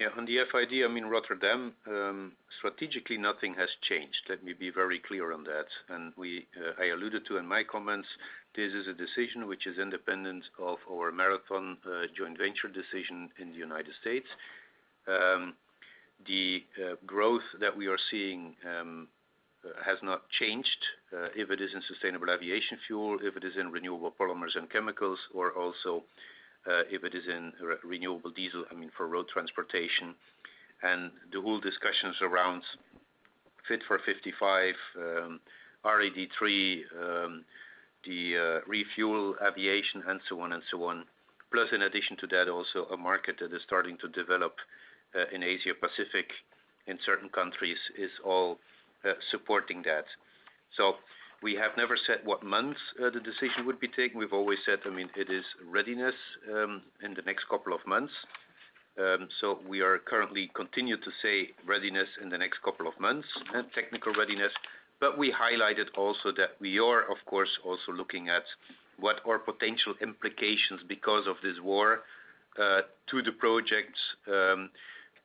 Yeah, on the FID, I mean, Rotterdam, strategically nothing has changed. Let me be very clear on that. I alluded to in my comments, this is a decision which is independent of our Marathon joint venture decision in the United States. The growth that we are seeing has not changed, if it is in sustainable aviation fuel, if it is in renewable polymers and chemicals, or also, if it is in renewable diesel, I mean, for road transportation. The whole discussions around Fit for 55, RED III, the ReFuelEU Aviation and so on and so on. Plus in addition to that, also a market that is starting to develop in Asia Pacific in certain countries is all supporting that. We have never said what month the decision would be taken. We've always said, I mean, it is readiness in the next couple of months. We are currently continue to say readiness in the next couple of months, technical readiness. We highlighted also that we are of course also looking at what are potential implications because of this war to the projects,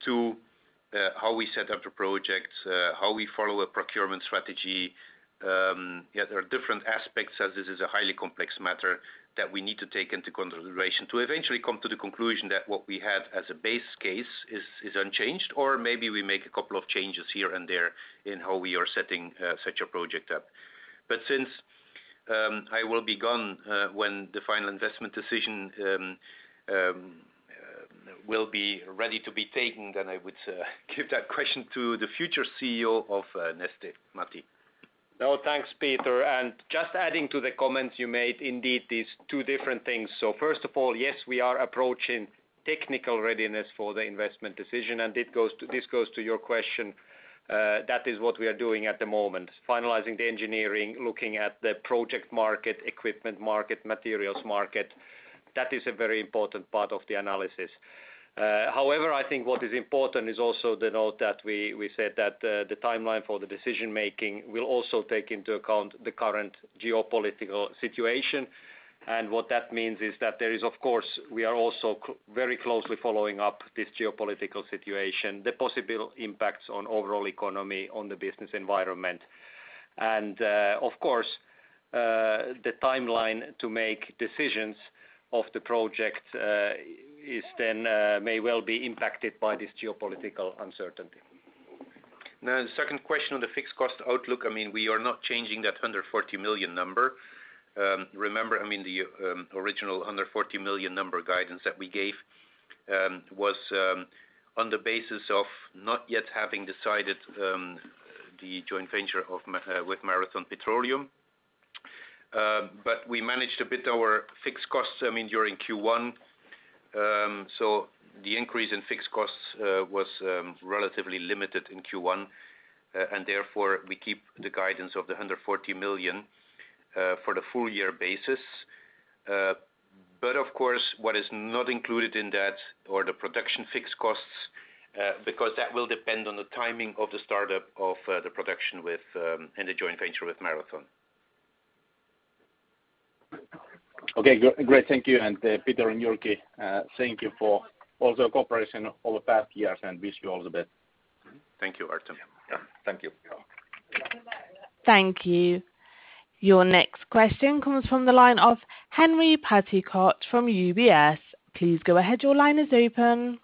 to how we set up the projects, how we follow a procurement strategy. Yeah, there are different aspects as this is a highly complex matter that we need to take into consideration to eventually come to the conclusion that what we had as a base case is unchanged or maybe we make a couple of changes here and there in how we are setting such a project up. Since I will be gone when the final investment decision will be ready to be taken, then I would give that question to the future CEO of Neste. Matti Lehmus. No, thanks, Peter. Just adding to the comments you made, indeed, these two different things. First of all, yes, we are approaching technical readiness for the investment decision. This goes to your question, that is what we are doing at the moment, finalizing the engineering, looking at the project market, equipment market, materials market. That is a very important part of the analysis. However, I think what is important is also the note that we said that the timeline for the decision-making will also take into account the current geopolitical situation. What that means is that there is of course we are also very closely following up this geopolitical situation, the possible impacts on overall economy, on the business environment. Of course, the timeline to make decisions of the project is then may well be impacted by this geopolitical uncertainty. Now the second question on the fixed cost outlook, I mean, we are not changing that under 40 million number. Remember, I mean, the original under 40 million number guidance that we gave was on the basis of not yet having decided the joint venture with Marathon Petroleum. We managed to beat our fixed costs, I mean, during Q1. The increase in fixed costs was relatively limited in Q1, and therefore we keep the guidance of the under 40 million for the full year basis. Of course, what is not included in that are the production fixed costs because that will depend on the timing of the startup of the production in the joint venture with Marathon. Okay. Good. Great. Thank you. Peter and Jyrki, thank you for all the cooperation over the past years and wish you all the best. Mm-hmm. Thank you, Artem. Yeah. Thank you. You're welcome. Thank you. Your next question comes from the line of Henri Patricot from UBS. Please go ahead. Your line is open.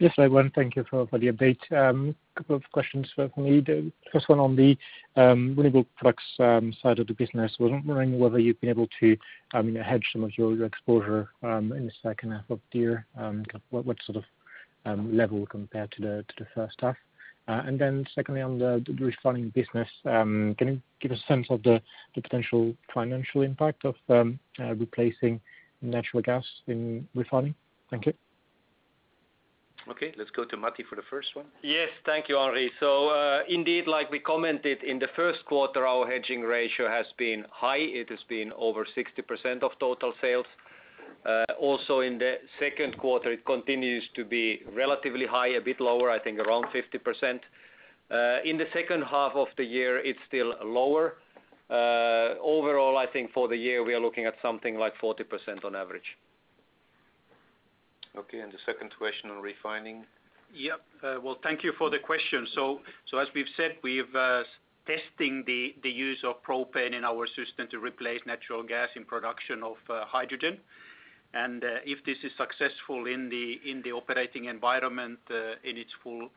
Yes, everyone. Thank you for the update. Couple of questions from me. The first one on the renewable products side of the business. I was wondering whether you've been able to, I mean, hedge some of your exposure in the second half of the year. What sort of level compared to the first half? Secondly, on the refining business, can you give a sense of the potential financial impact of replacing natural gas in refining? Thank you. Okay, let's go to Matti for the first one. Yes. Thank you, Henri. Indeed, like we commented in the first quarter, our hedging ratio has been high. It has been over 60% of total sales. Also in the second quarter, it continues to be relatively high, a bit lower, I think around 50%. In the second half of the year, it's still lower. Overall, I think for the year, we are looking at something like 40% on average. Okay. The second question on refining? Yep. Well, thank you for the question. As we've said, we've testing the use of propane in our system to replace natural gas in production of hydrogen. If this is successful in the operating environment, in its full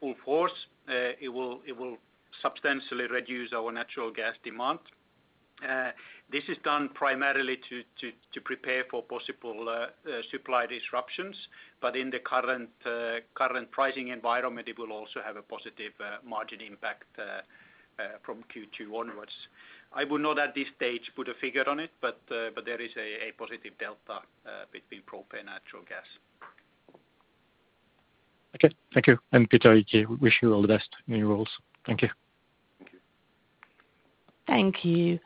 Full force, it will substantially reduce our natural gas demand. This is done primarily to prepare for possible supply disruptions. In the current pricing environment, it will also have a positive margin impact from Q2 onwards. I would not at this stage put a figure on it, but there is a positive delta between propane natural gas. Okay. Thank you. Peter, we wish you all the best in your roles. Thank you. Thank you. Thank you.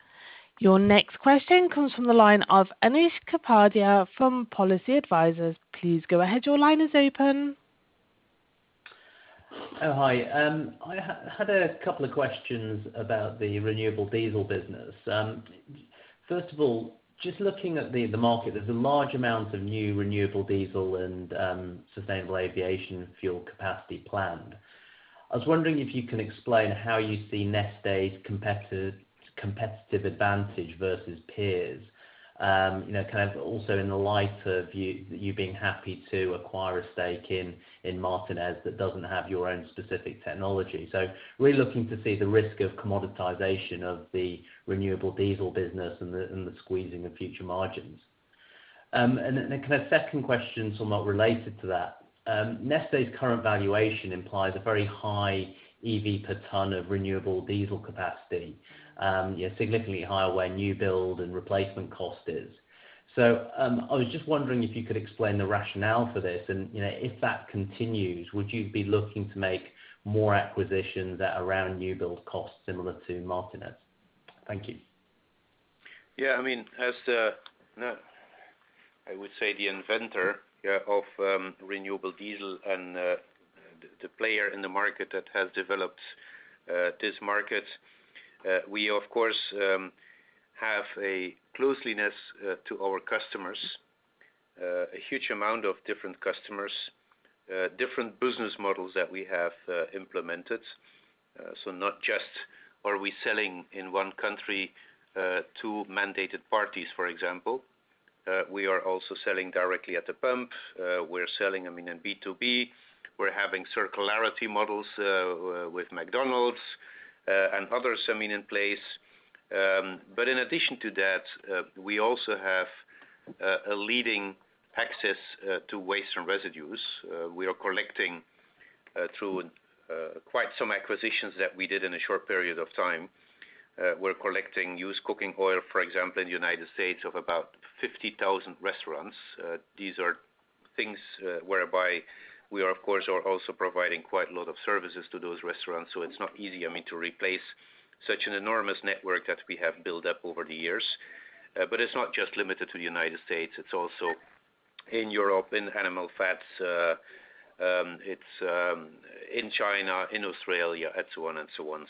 Your next question comes from the line of Anish Kapadia from Palissy Advisors. Please go ahead. Your line is open. Oh, hi. I had a couple of questions about the renewable diesel business. First of all, just looking at the market, there's a large amount of new renewable diesel and sustainable aviation fuel capacity planned. I was wondering if you can explain how you see Neste's competitive advantage versus peers. You know, kind of also in the light of you being happy to acquire a stake in Martinez that doesn't have your own specific technology. Really looking to see the risk of commoditization of the renewable diesel business and the squeezing of future margins. Then kind of second question, somewhat related to that. Neste's current valuation implies a very high EV per ton of renewable diesel capacity, significantly higher where new build and replacement cost is. I was just wondering if you could explain the rationale for this, and, you know, if that continues, would you be looking to make more acquisitions at around new build costs similar to Martinez? Thank you. I mean, as the, I would say, the inventor of renewable diesel and the player in the market that has developed this market, we of course have a closeness to our customers, a huge amount of different customers, different business models that we have implemented. Not just are we selling in one country, two mandated parties, for example. We are also selling directly at the pump. We're selling, I mean, in B2B. We're having circularity models with McDonald's and others, I mean, in place. In addition to that, we also have a leading access to waste and residues. We are collecting through quite some acquisitions that we did in a short period of time. We're collecting used cooking oil, for example, in the United States from about 50,000 restaurants. These are things whereby we are, of course, also providing quite a lot of services to those restaurants. It's not easy, I mean, to replace such an enormous network that we have built up over the years. It's not just limited to the United States. It's also in Europe, in animal fats. It's in China, in Australia, and so on and so on.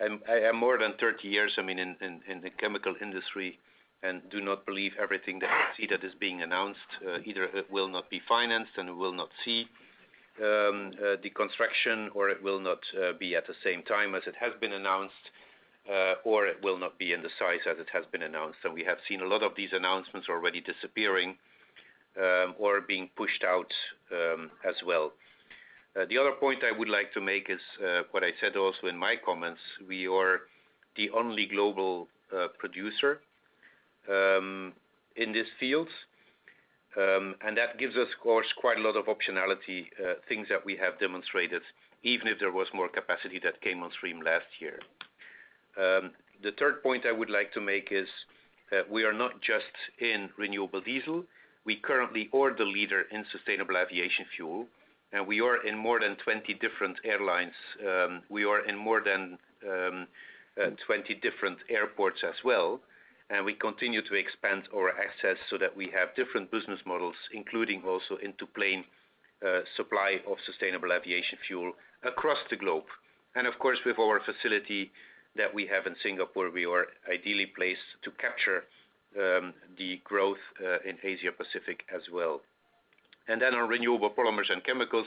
I have more than 30 years, I mean, in the chemical industry and do not believe everything that I see that is being announced. Either it will not be financed, and it will not see the construction, or it will not be at the same time as it has been announced, or it will not be in the size as it has been announced. We have seen a lot of these announcements already disappearing or being pushed out as well. The other point I would like to make is what I said also in my comments, we are the only global producer in this field. That gives us, of course, quite a lot of optionality, things that we have demonstrated, even if there was more capacity that came on stream last year. The third point I would like to make is we are not just in renewable diesel. We currently are the leader in sustainable aviation fuel, and we are in more than 20 different airlines. We are in more than 20 different airports as well. We continue to expand our access so that we have different business models, including also into plane supply of sustainable aviation fuel across the globe. Of course, with our facility that we have in Singapore, we are ideally placed to capture the growth in Asia-Pacific as well. Then on renewable polymers and chemicals,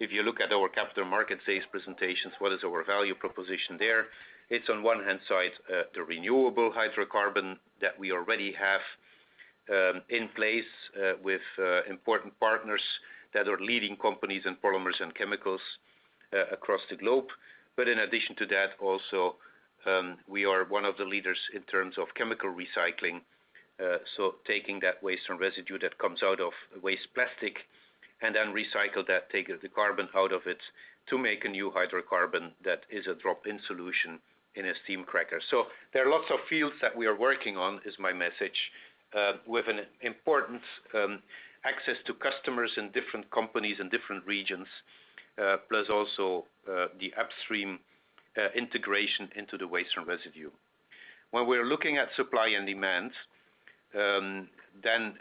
if you look at our capital market sales presentations, what is our value proposition there? It's on one hand side the renewable hydrocarbon that we already have in place with important partners that are leading companies in polymers and chemicals across the globe. In addition to that, also, we are one of the leaders in terms of chemical recycling. Taking that waste and residue that comes out of waste plastic and then recycle that, take the carbon out of it to make a new hydrocarbon that is a drop-in solution in a steam cracker. There are lots of fields that we are working on, is my message, with an important access to customers in different companies in different regions, plus also, the upstream integration into the waste and residue. When we're looking at supply and demand, then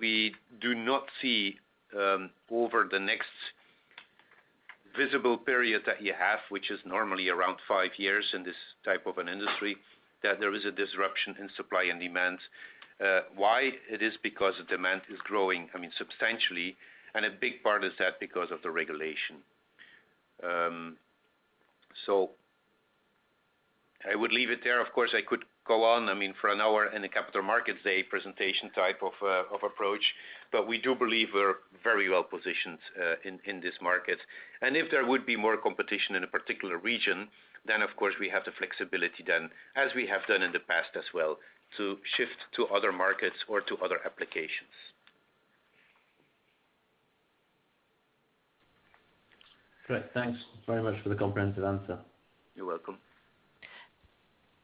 we do not see over the next visible period that you have, which is normally around five years in this type of an industry, that there is a disruption in supply and demand. Why? It is because the demand is growing, I mean, substantially, and a big part is that because of the regulation. I would leave it there. Of course, I could go on, I mean, for an hour in a Capital Markets Day presentation type of approach. We do believe we're very well positioned in this market. If there would be more competition in a particular region, then of course, we have the flexibility then, as we have done in the past as well, to shift to other markets or to other applications. Great. Thanks very much for the comprehensive answer. You're welcome.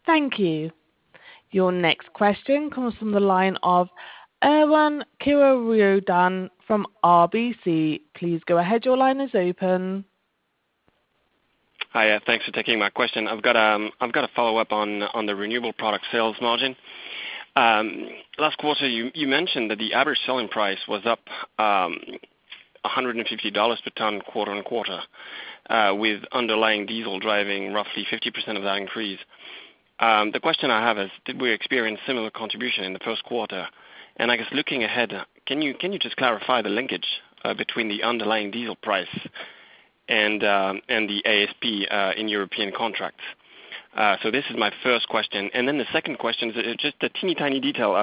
Thank you. Your next question comes from the line of Erwan Kerouredan from RBC. Please go ahead. Your line is open. Hi, thanks for taking my question. I've got a follow-up on the renewable product sales margin. Last quarter, you mentioned that the average selling price was up $150 per ton quarter-over-quarter, with underlying diesel driving roughly 50% of that increase. The question I have is: Did we experience similar contribution in the first quarter? I guess looking ahead, can you just clarify the linkage between the underlying diesel price and the ASP in European contracts? This is my first question. The second question is just a teeny-tiny detail.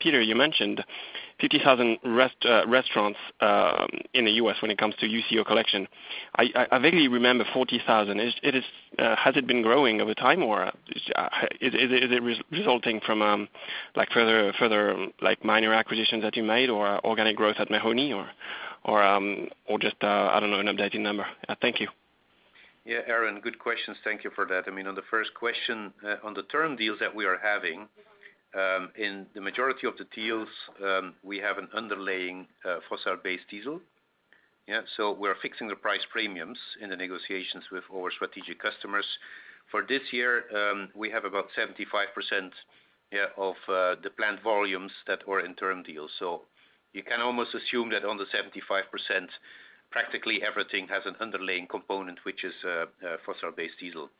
Peter, you mentioned 50,000 restaurants in the U.S. when it comes to UCO collection. I vaguely remember 40,000. Has it been growing over time, or is it resulting from like further like minor acquisitions that you made, or organic growth at Mahoney, or just, I don't know, an updated number? Thank you. Erwan, good questions. Thank you for that. I mean, on the first question, on the term deals that we are having, in the majority of the deals, we have an underlying, fossil-based diesel. So we're fixing the price premiums in the negotiations with our strategic customers. For this year, we have about 75% of the planned volumes that were in term deals. So you can almost assume that on the 75%, practically everything has an underlying component, which is, fossil-based diesel.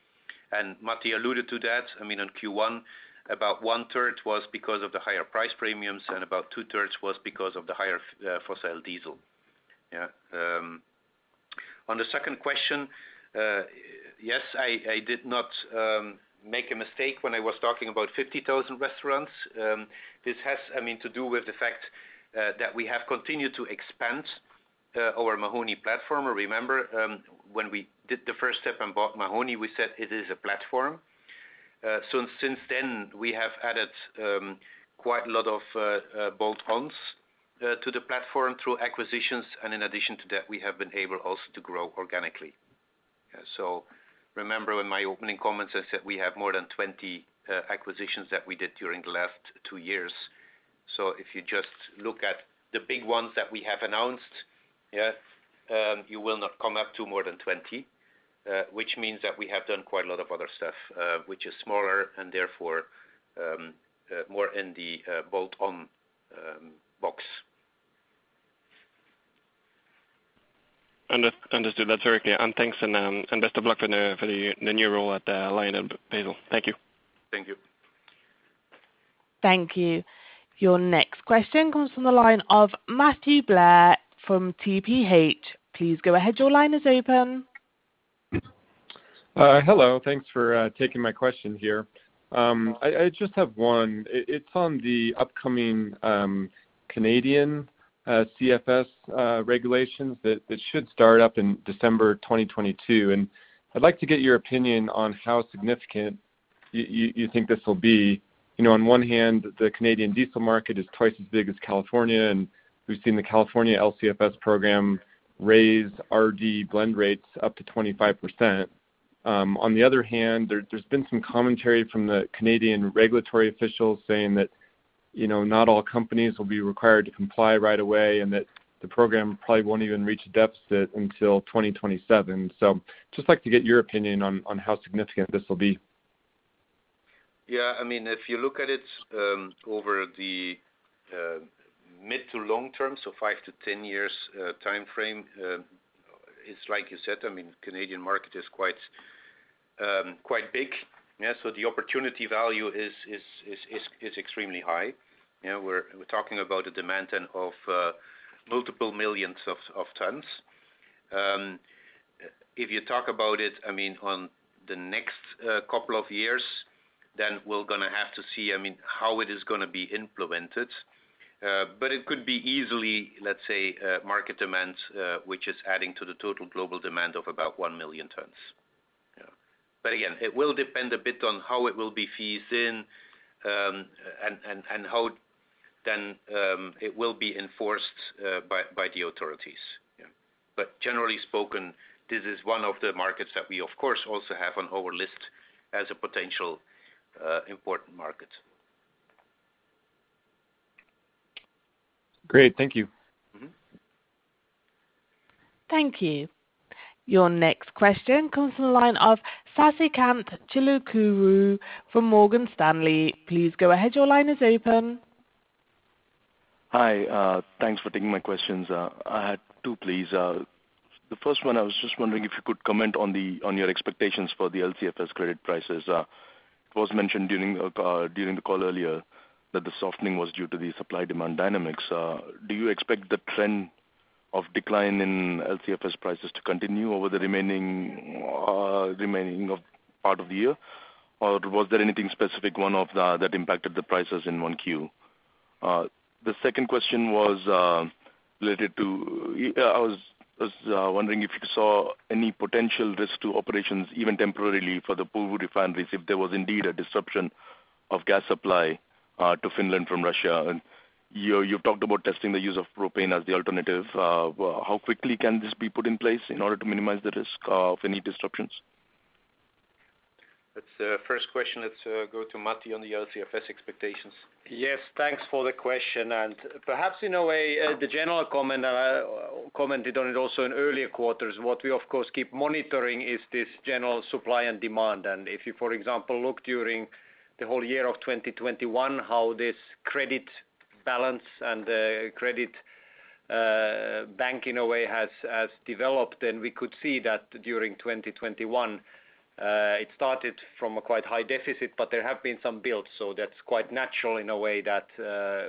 And Matti alluded to that. I mean, on Q1, about one-third was because of the higher price premiums, and about two-thirds was because of the higher, fossil diesel. On the second question, yes, I did not make a mistake when I was talking about 50,000 restaurants. This has, I mean, to do with the fact that we have continued to expand our Mahoney platform. Remember when we did the first step and bought Mahoney, we said it is a platform. Since then, we have added quite a lot of bolt-ons to the platform through acquisitions, and in addition to that, we have been able also to grow organically. Remember, in my opening comments, I said we have more than 20 acquisitions that we did during the last two years. If you just look at the big ones that we have announced, you will not come up to more than 20, which means that we have done quite a lot of other stuff, which is smaller and therefore more in the bolt-on box. Understood. That's very clear. Thanks and best of luck for the new role at LyondellBasell. Thank you. Thank you. Thank you. Your next question comes from the line of Matthew Blair from TPH. Please go ahead. Your line is open. Hello. Thanks for taking my question here. I just have one. It's on the upcoming Canadian CFS regulations that should start up in December 2022. I'd like to get your opinion on how significant you think this will be. You know, on one hand, the Canadian diesel market is twice as big as California, and we've seen the California LCFS program raise RD blend rates up to 25%. On the other hand, there's been some commentary from the Canadian regulatory officials saying that, you know, not all companies will be required to comply right away and that the program probably won't even reach a deficit until 2027. Just like to get your opinion on how significant this will be. Yeah. I mean, if you look at it, over the mid to long term, so five-10 years timeframe, it's like you said, I mean, Canadian market is quite big. Yeah. So the opportunity value is extremely high. You know, we're talking about a demand then of multiple millions of tons. If you talk about it, I mean, on the next couple of years, then we're gonna have to see, I mean, how it is gonna be implemented. It could be easily, let's say, a market demand which is adding to the total global demand of about 1 million tons. Yeah. It will depend a bit on how it will be phased in and how then it will be enforced by the authorities. Yeah. Generally spoken, this is one of the markets that we, of course, also have on our list as a potential, important market. Great. Thank you. Mm-hmm. Thank you. Your next question comes from the line of Sasikanth Chilukuru from Morgan Stanley. Please go ahead. Your line is open. Hi. Thanks for taking my questions. I had two, please. The first one, I was just wondering if you could comment on your expectations for the LCFS credit prices. It was mentioned during the call earlier that the softening was due to the supply-demand dynamics. Do you expect the trend of decline in LCFS prices to continue over the remaining part of the year? Or was there anything specific one-off that impacted the prices in Q1? The second question was related to. I was wondering if you saw any potential risk to operations, even temporarily for the Porvoo refineries, if there was indeed a disruption of gas supply to Finland from Russia. You've talked about testing the use of propane as the alternative. How quickly can this be put in place in order to minimize the risk of any disruptions? That's the first question. Let's go to Matti on the LCFS expectations. Yes, thanks for the question. Perhaps in a way, the general comment commented on it also in earlier quarters. What we of course keep monitoring is this general supply and demand. If you, for example, look during the whole year of 2021, how this credit balance and credit bank in a way has developed, then we could see that during 2021, it started from a quite high deficit, but there have been some builds. That's quite natural in a way that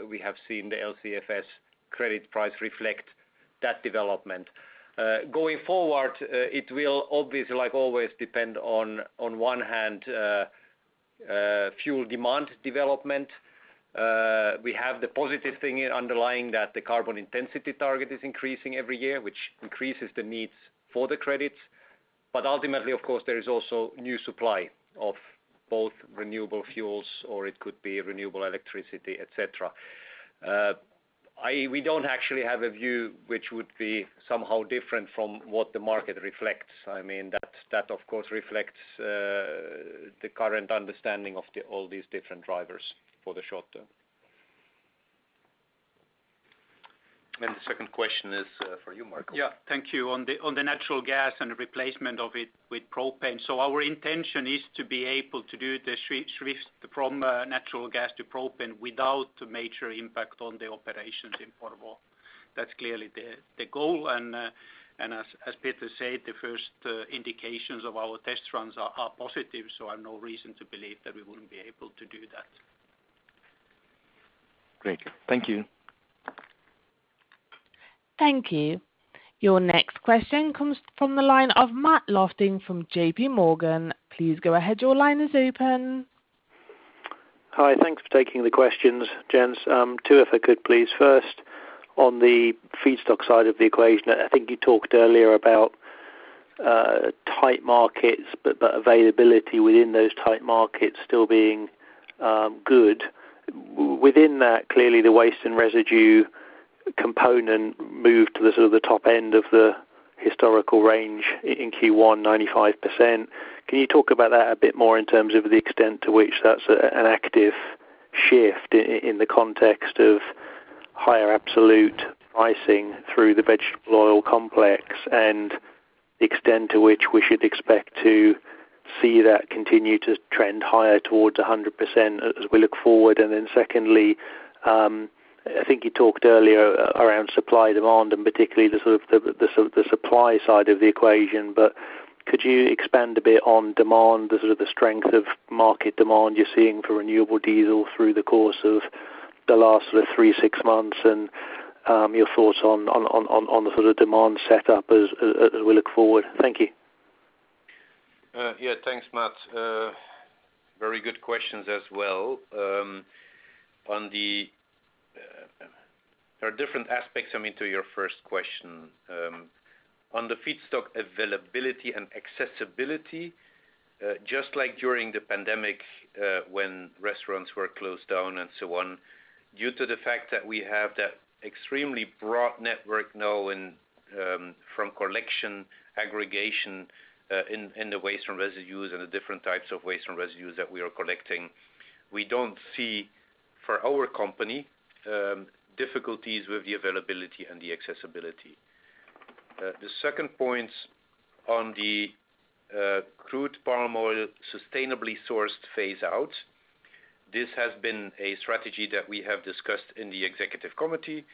we have seen the LCFS credit price reflect that development. Going forward, it will obviously, like always, depend on one hand, fuel demand development. We have the positive thing underlying that the carbon intensity target is increasing every year, which increases the needs for the credits. Ultimately, of course, there is also new supply of both renewable fuels, or it could be renewable electricity, et cetera. We don't actually have a view which would be somehow different from what the market reflects. I mean, that of course reflects the current understanding of all these different drivers for the short term. The second question is for you, Marko. Yeah. Thank you. On the natural gas and replacement of it with propane. Our intention is to be able to do the switch from natural gas to propane without a major impact on the operations in Porvoo. That's clearly the goal. As Peter said, the first indications of our test runs are positive, so I've no reason to believe that we wouldn't be able to do that. Great. Thank you. Thank you. Your next question comes from the line of Matt Lofting from J.P. Morgan. Please go ahead. Your line is open. Hi. Thanks for taking the questions, gents. Two, if I could please. First, on the feedstock side of the equation, I think you talked earlier about tight markets, but availability within those tight markets still being good. Within that, clearly the waste and residue component moved to the sort of top end of the historical range in Q1, 95%. Can you talk about that a bit more in terms of the extent to which that's an active shift in the context of higher absolute pricing through the vegetable oil complex and the extent to which we should expect to see that continue to trend higher towards 100% as we look forward? Secondly, I think you talked earlier around supply and demand, and particularly the sort of supply side of the equation. Could you expand a bit on demand, the sort of the strength of market demand you're seeing for renewable diesel through the course of the last three-six months and, your thoughts on the sort of demand setup as we look forward? Thank you. Yeah, thanks, Matt. Very good questions as well. There are different aspects, I mean, to your first question. On the feedstock availability and accessibility, just like during the pandemic, when restaurants were closed down and so on, due to the fact that we have that extremely broad network now in from collection aggregation in the waste and residues and the different types of waste and residues that we are collecting, we don't see for our company difficulties with the availability and the accessibility. The second point on the crude palm oil sustainably sourced phase out, this has been a strategy that we have discussed in the executive committee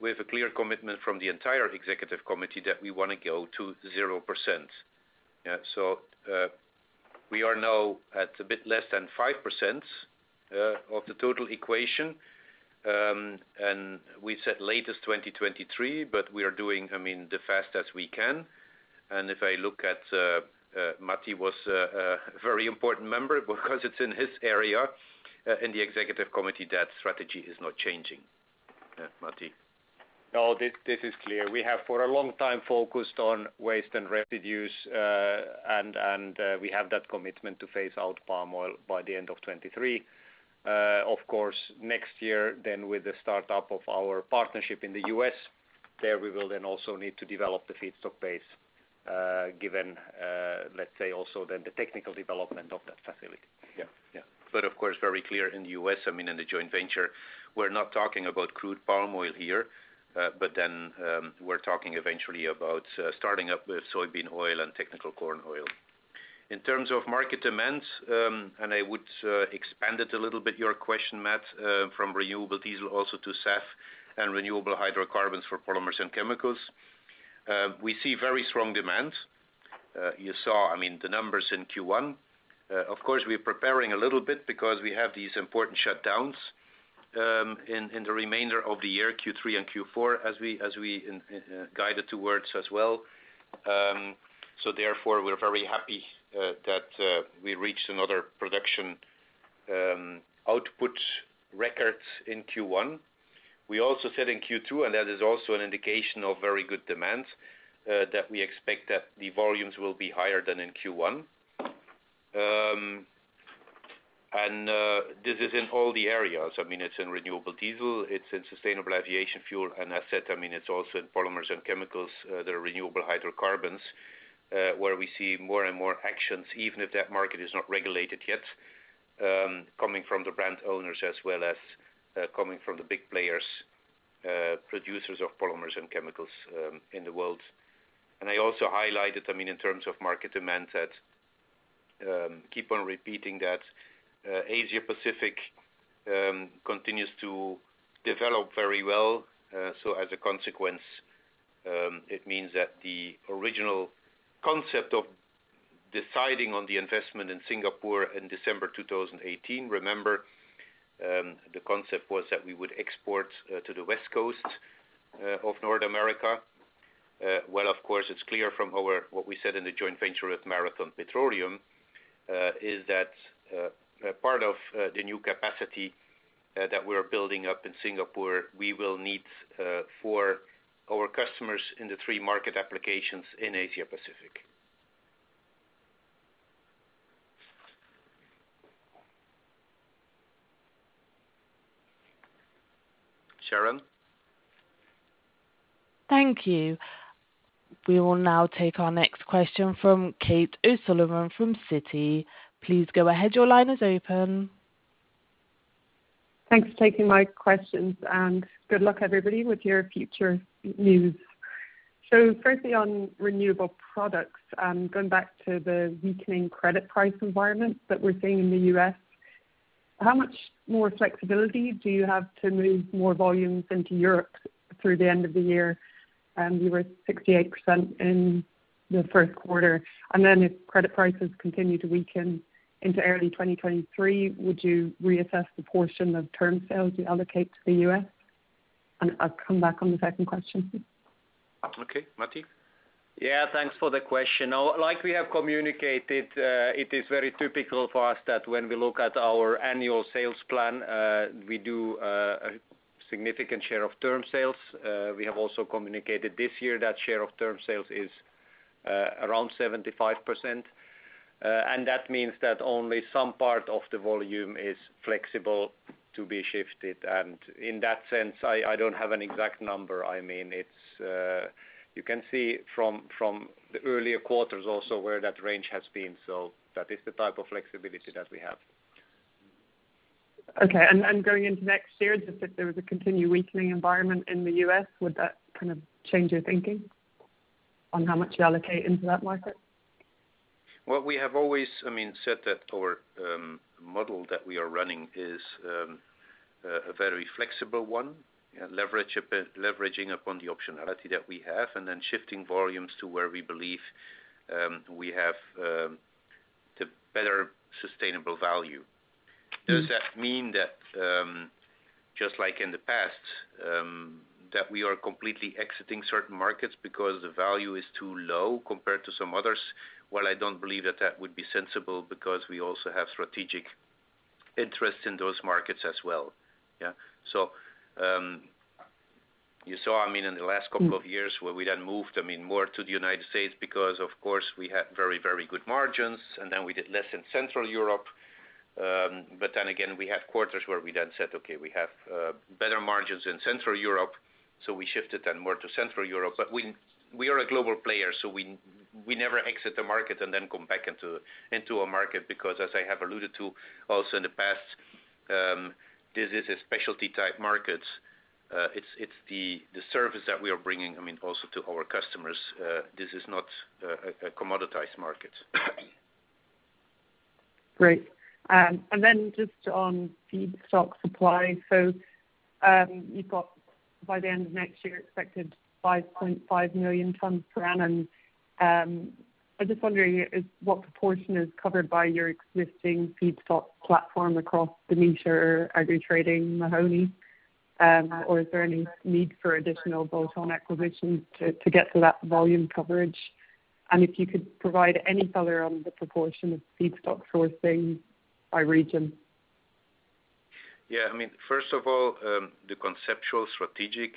with a clear commitment from the entire executive committee that we wanna go to 0%. We are now at a bit less than 5% of the total equation. We said latest 2023, but we are doing, I mean, the fastest we can. If I look at Matti was a very important member because it's in his area in the executive committee, that strategy is not changing. Matti. No, this is clear. We have for a long time focused on waste and residues, and we have that commitment to phase out palm oil by the end of 2023. Of course, next year then with the startup of our partnership in the U.S., there we will then also need to develop the feedstock base, given, let's say also then the technical development of that facility. Yeah. Yeah. Of course, very clear in the U.S., I mean, in the joint venture, we're not talking about crude palm oil here, but then, we're talking eventually about starting up with soybean oil and technical corn oil. In terms of market demand, and I would expand it a little bit, your question, Matt, from renewable diesel also to SAF and renewable hydrocarbons for polymers and chemicals. We see very strong demand. You saw, I mean, the numbers in Q1. Of course, we're preparing a little bit because we have these important shutdowns in the remainder of the year, Q3 and Q4, as we guide it towards as well. Therefore, we're very happy that we reached another production output records in Q1. We also said in Q2, and that is also an indication of very good demand, that we expect that the volumes will be higher than in Q1. This is in all the areas. I mean, it's in renewable diesel, it's in sustainable aviation fuel. As said, I mean, it's also in polymers and chemicals, the renewable hydrocarbons, where we see more and more actions, even if that market is not regulated yet, coming from the brand owners as well as coming from the big players, producers of polymers and chemicals, in the world. I also highlighted, I mean, in terms of market demand that keep on repeating that, Asia-Pacific continues to develop very well. As a consequence, it means that the original concept of deciding on the investment in Singapore in December 2018, remember, the concept was that we would export to the West Coast of North America. Well, of course, it's clear from what we said in the joint venture with Marathon Petroleum, is that a part of the new capacity that we're building up in Singapore, we will need for our customers in the three market applications in Asia-Pacific. Sharon? Thank you. We will now take our next question from Kate O'Sullivan from Citi. Please go ahead. Your line is open. Thanks for taking my questions, and good luck, everybody, with your future news. Firstly, on Renewable Products, going back to the weakening credit price environment that we're seeing in the US, how much more flexibility do you have to move more volumes into Europe through the end of the year? You were 68% in the first quarter. If credit prices continue to weaken into early 2023, would you reassess the portion of term sales you allocate to the US? I'll come back on the second question. Okay. Mattis. Yeah, thanks for the question. Now, like we have communicated, it is very typical for us that when we look at our annual sales plan, we do a significant share of term sales. We have also communicated this year that share of term sales is around 75%. That means that only some part of the volume is flexible to be shifted. In that sense, I don't have an exact number. I mean, it's. You can see from the earlier quarters also where that range has been. That is the type of flexibility that we have. Okay, going into next year, if there was a continued weakening environment in the U.S., would that kind of change your thinking on how much you allocate into that market? Well, we have always, I mean, said that our model that we are running is a very flexible one. Leveraging upon the optionality that we have and then shifting volumes to where we believe we have the better sustainable value. Mm-hmm. Does that mean that, just like in the past, that we are completely exiting certain markets because the value is too low compared to some others, while I don't believe that would be sensible because we also have strategic interest in those markets as well. Yeah. You saw, I mean, in the last couple of years where we then moved, I mean, more to the United States because of course we had very, very good margins, and then we did less in Central Europe. Then again, we had quarters where we then said, "Okay, we have better margins in Central Europe," so we shifted then more to Central Europe. We are a global player, so we never exit the market and then come back into a market because as I have alluded to also in the past, this is a specialty type market. It's the service that we are bringing, I mean, also to our customers, this is not a commoditized market. Great. Just on feedstock supply. You've got by the end of next year expected 5.5 million tons per annum. I'm just wondering what proportion is covered by your existing feedstock platform across the Neste or Agri trading Mahoney. Or is there any need for additional bolt-on acquisitions to get to that volume coverage? If you could provide any color on the proportion of feedstock sourcing by region. Yeah, I mean, first of all, the conceptual strategic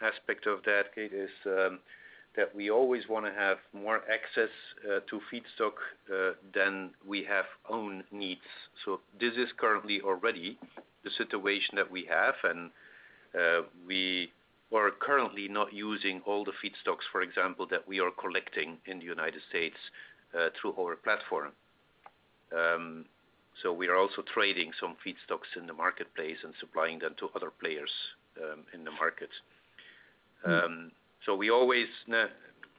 aspect of that, Kate, is that we always wanna have more access to feedstock than we have own needs. This is currently already the situation that we have, and we are currently not using all the feedstocks, for example, that we are collecting in the United States through our platform. We are also trading some feedstocks in the marketplace and supplying them to other players in the market. We always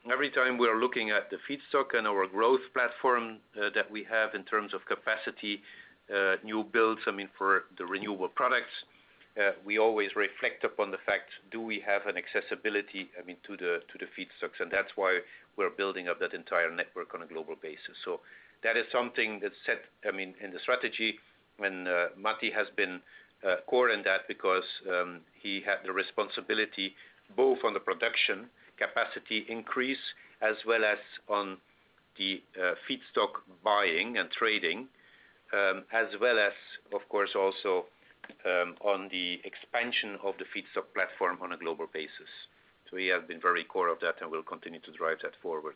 every time we are looking at the feedstock and our growth platform that we have in terms of capacity new builds, I mean, for the Renewable Products, we always reflect upon the fact, do we have an accessibility, I mean, to the feedstocks? That's why we're building up that entire network on a global basis. That is something that's set, I mean, in the strategy, and Matti has been core in that because he had the responsibility both on the production capacity increase as well as on the feedstock buying and trading, as well as, of course, also on the expansion of the feedstock platform on a global basis. He has been very core of that and will continue to drive that forward.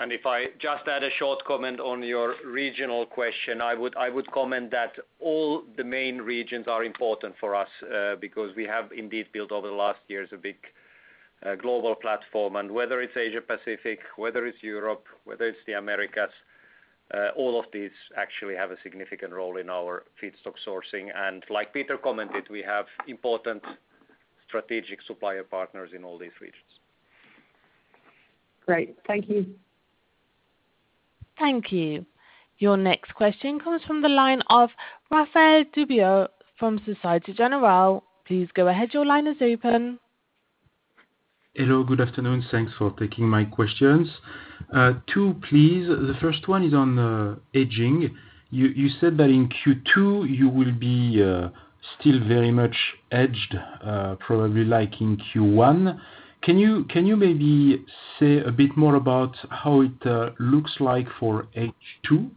If I just add a short comment on your regional question, I would comment that all the main regions are important for us, because we have indeed built over the last years a big, global platform. Whether it's Asia-Pacific, whether it's Europe, whether it's the Americas, all of these actually have a significant role in our feedstock sourcing. Like Peter commented, we have important strategic supplier partners in all these regions. Great. Thank you. Thank you. Your next question comes from the line of Raphaël Dubois from Société Générale. Please go ahead. Your line is open. Hello, good afternoon. Thanks for taking my questions. Two, please. The first one is on hedging. You said that in Q2 you will be still very much hedged, probably like in Q1. Can you maybe say a bit more about how it looks like for H2?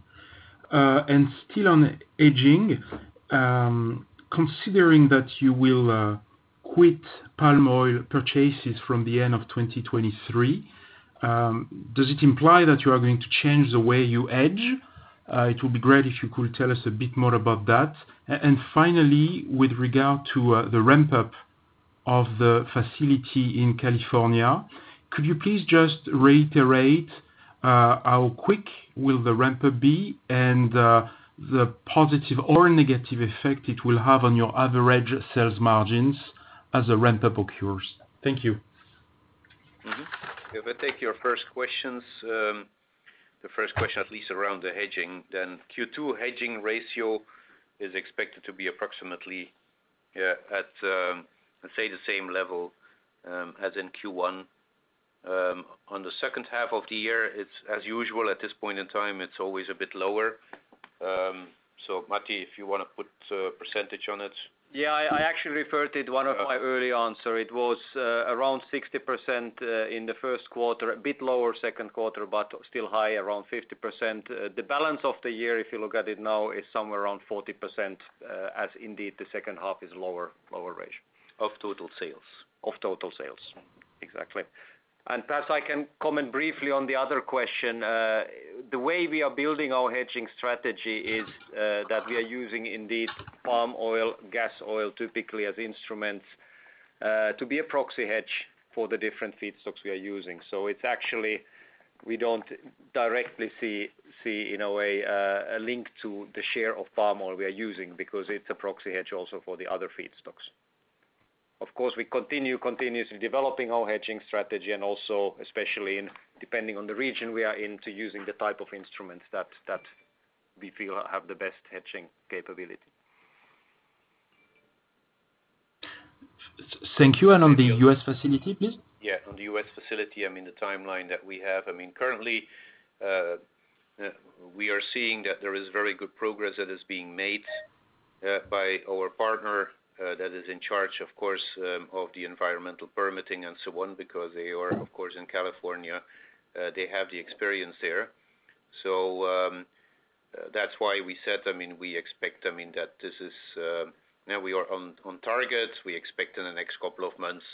Still on hedging, considering that you will quit palm oil purchases from the end of 2023, does it imply that you are going to change the way you hedge? It would be great if you could tell us a bit more about that. Finally, with regard to the ramp-up of the facility in California, could you please just reiterate how quick the ramp-up will be and the positive or negative effect it will have on your average sales margins as the ramp-up occurs? Thank you. Mm-hmm. If I take your first questions, the first question at least around the hedging, then Q2 hedging ratio is expected to be approximately, yeah, at, let's say the same level, as in Q1. On the second half of the year, it's as usual at this point in time, it's always a bit lower. Matti, if you wanna put a percentage on it. I actually referred to it in one of my early answers. It was around 60% in the first quarter, a bit lower in the second quarter, but still high around 50%. The balance of the year, if you look at it now, is somewhere around 40%, as indeed the second half is lower ratio. Of total sales. Of total sales. Mm-hmm. Exactly. Perhaps I can comment briefly on the other question. The way we are building our hedging strategy is that we are using indeed palm oil, gas oil, typically as instruments to be a proxy hedge for the different feedstocks we are using. It's actually we don't directly see in a way a link to the share of palm oil we are using because it's a proxy hedge also for the other feedstocks. Of course, we continue continuously developing our hedging strategy and also especially in depending on the region we are into using the type of instruments that we feel have the best hedging capability. Thank you. On the U.S. facility, please? Yeah, on the US facility, I mean, the timeline that we have, I mean, currently, we are seeing that there is very good progress that is being made by our partner that is in charge of course of the environmental permitting and so on, because they are of course in California, they have the experience there. That's why we said, I mean, we expect, I mean, that this is now we are on target. We expect in the next couple of months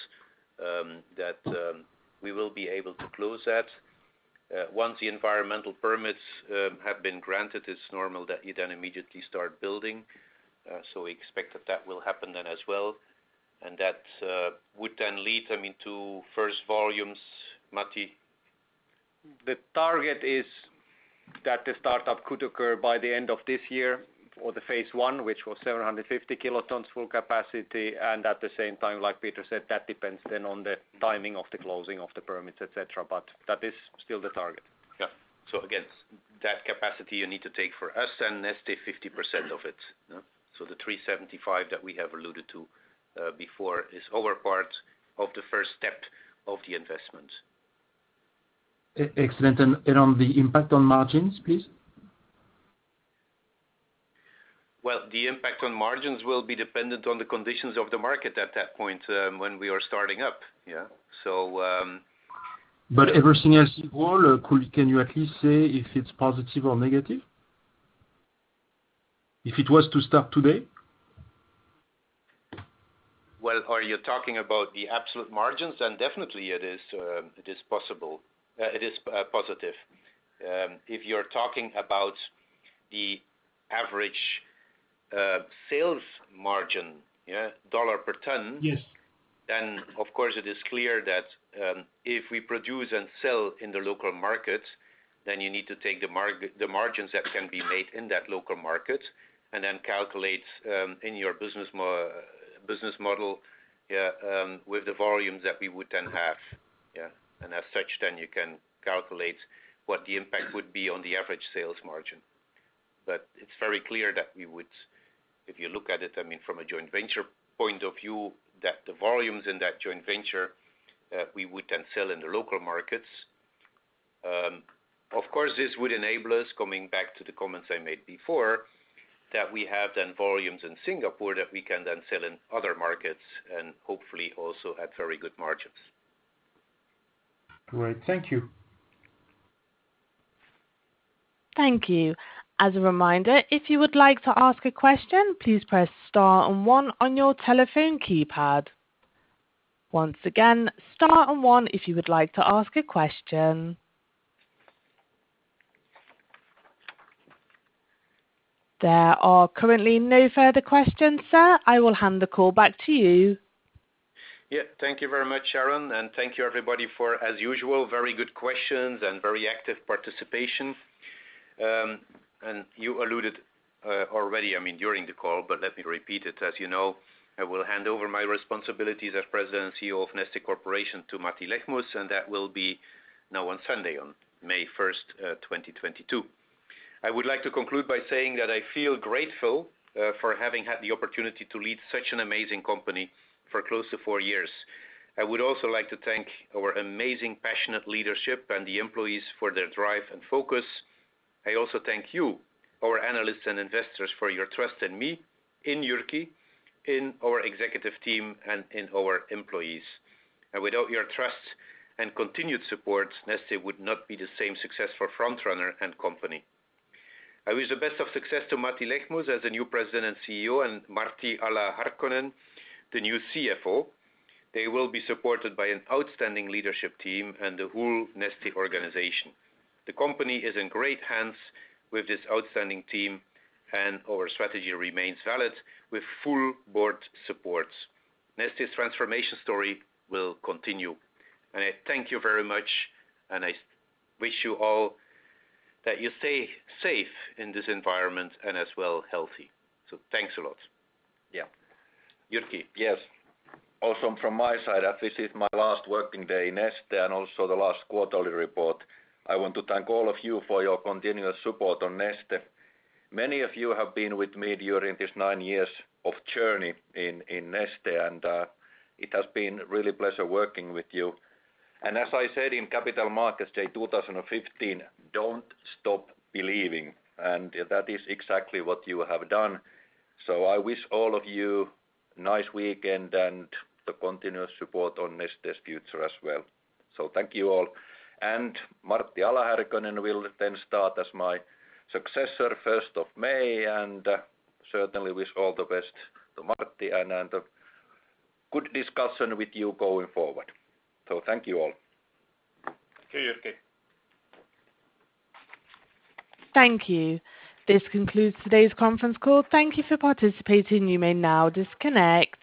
that we will be able to close that. Once the environmental permits have been granted, it's normal that you then immediately start building. We expect that will happen then as well. That would then lead, I mean, to first volumes. Matti? The target is that the startup could occur by the end of this year for the phase one, which was 750 kilotons full capacity, and at the same time, like Peter said, that depends then on the timing of the closing of the permits, et cetera. That is still the target. Yeah. Again, that capacity you need to take for us, and let's say 50% of it, yeah. The 375 that we have alluded to before is our part of the first step of the investment. Excellent. On the impact on margins, please? The impact on margins will be dependent on the conditions of the market at that point, when we are starting up. Everything else equal, can you at least say if it's positive or negative? If it was to start today? Well, are you talking about the absolute margins? Definitely it is possible. It is positive. If you're talking about the average sales margin, yeah, dollar per ton. Yes... of course it is clear that, if we produce and sell in the local market, you need to take the margins that can be made in that local market and then calculate, in your business model, yeah, with the volumes that we would then have. Yeah. As such you can calculate what the impact would be on the average sales margin. It's very clear that we would. If you look at it, I mean, from a joint venture point of view, that the volumes in that joint venture, we would then sell in the local markets. Of course, this would enable us, coming back to the comments I made before, that we have then volumes in Singapore that we can then sell in other markets and hopefully also at very good margins. Great. Thank you. Thank you. As a reminder, if you would like to ask a question, please press star and one on your telephone keypad. Once again, star and one if you would like to ask a question. There are currently no further questions. Sir, I will hand the call back to you. Yeah. Thank you very much, Sharon, and thank you everybody for, as usual, very good questions and very active participation. You alluded already, I mean, during the call, but let me repeat it. As you know, I will hand over my responsibilities as president and CEO of Neste Corporation to Matti Lehmus, and that will be now on Sunday, May 1, 2022. I would like to conclude by saying that I feel grateful for having had the opportunity to lead such an amazing company for close to four years. I would also like to thank our amazing, passionate leadership and the employees for their drive and focus. I also thank you, our analysts and investors, for your trust in me, in Jyrki, in our executive team, and in our employees. Without your trust and continued support, Neste would not be the same successful frontrunner and company. I wish the best of success to Matti Lehmus as the new President and CEO, and Martti Ala-Härkönen, the new CFO. They will be supported by an outstanding leadership team and the whole Neste organization. The company is in great hands with this outstanding team, and our strategy remains valid with full board support. Neste's transformation story will continue. I thank you very much, and I wish you all that you stay safe in this environment and as well healthy. Thanks a lot. Yeah. Jyrki? Yes. Also from my side, as this is my last working day in Neste and also the last quarterly report, I want to thank all of you for your continuous support on Neste. Many of you have been with me during this nine years of journey in Neste, and it has been really a pleasure working with you. As I said in Capital Markets Day 2015, "Don't stop believing." That is exactly what you have done. I wish all of you nice weekend and the continuous support on Neste's future as well. Thank you all. Martti Ala-Härkönen will then start as my successor first of May, and certainly wish all the best to Martti and good discussion with you going forward. Thank you all. Thank you, Jyrki. Thank you. This concludes today's conference call. Thank you for participating. You may now disconnect.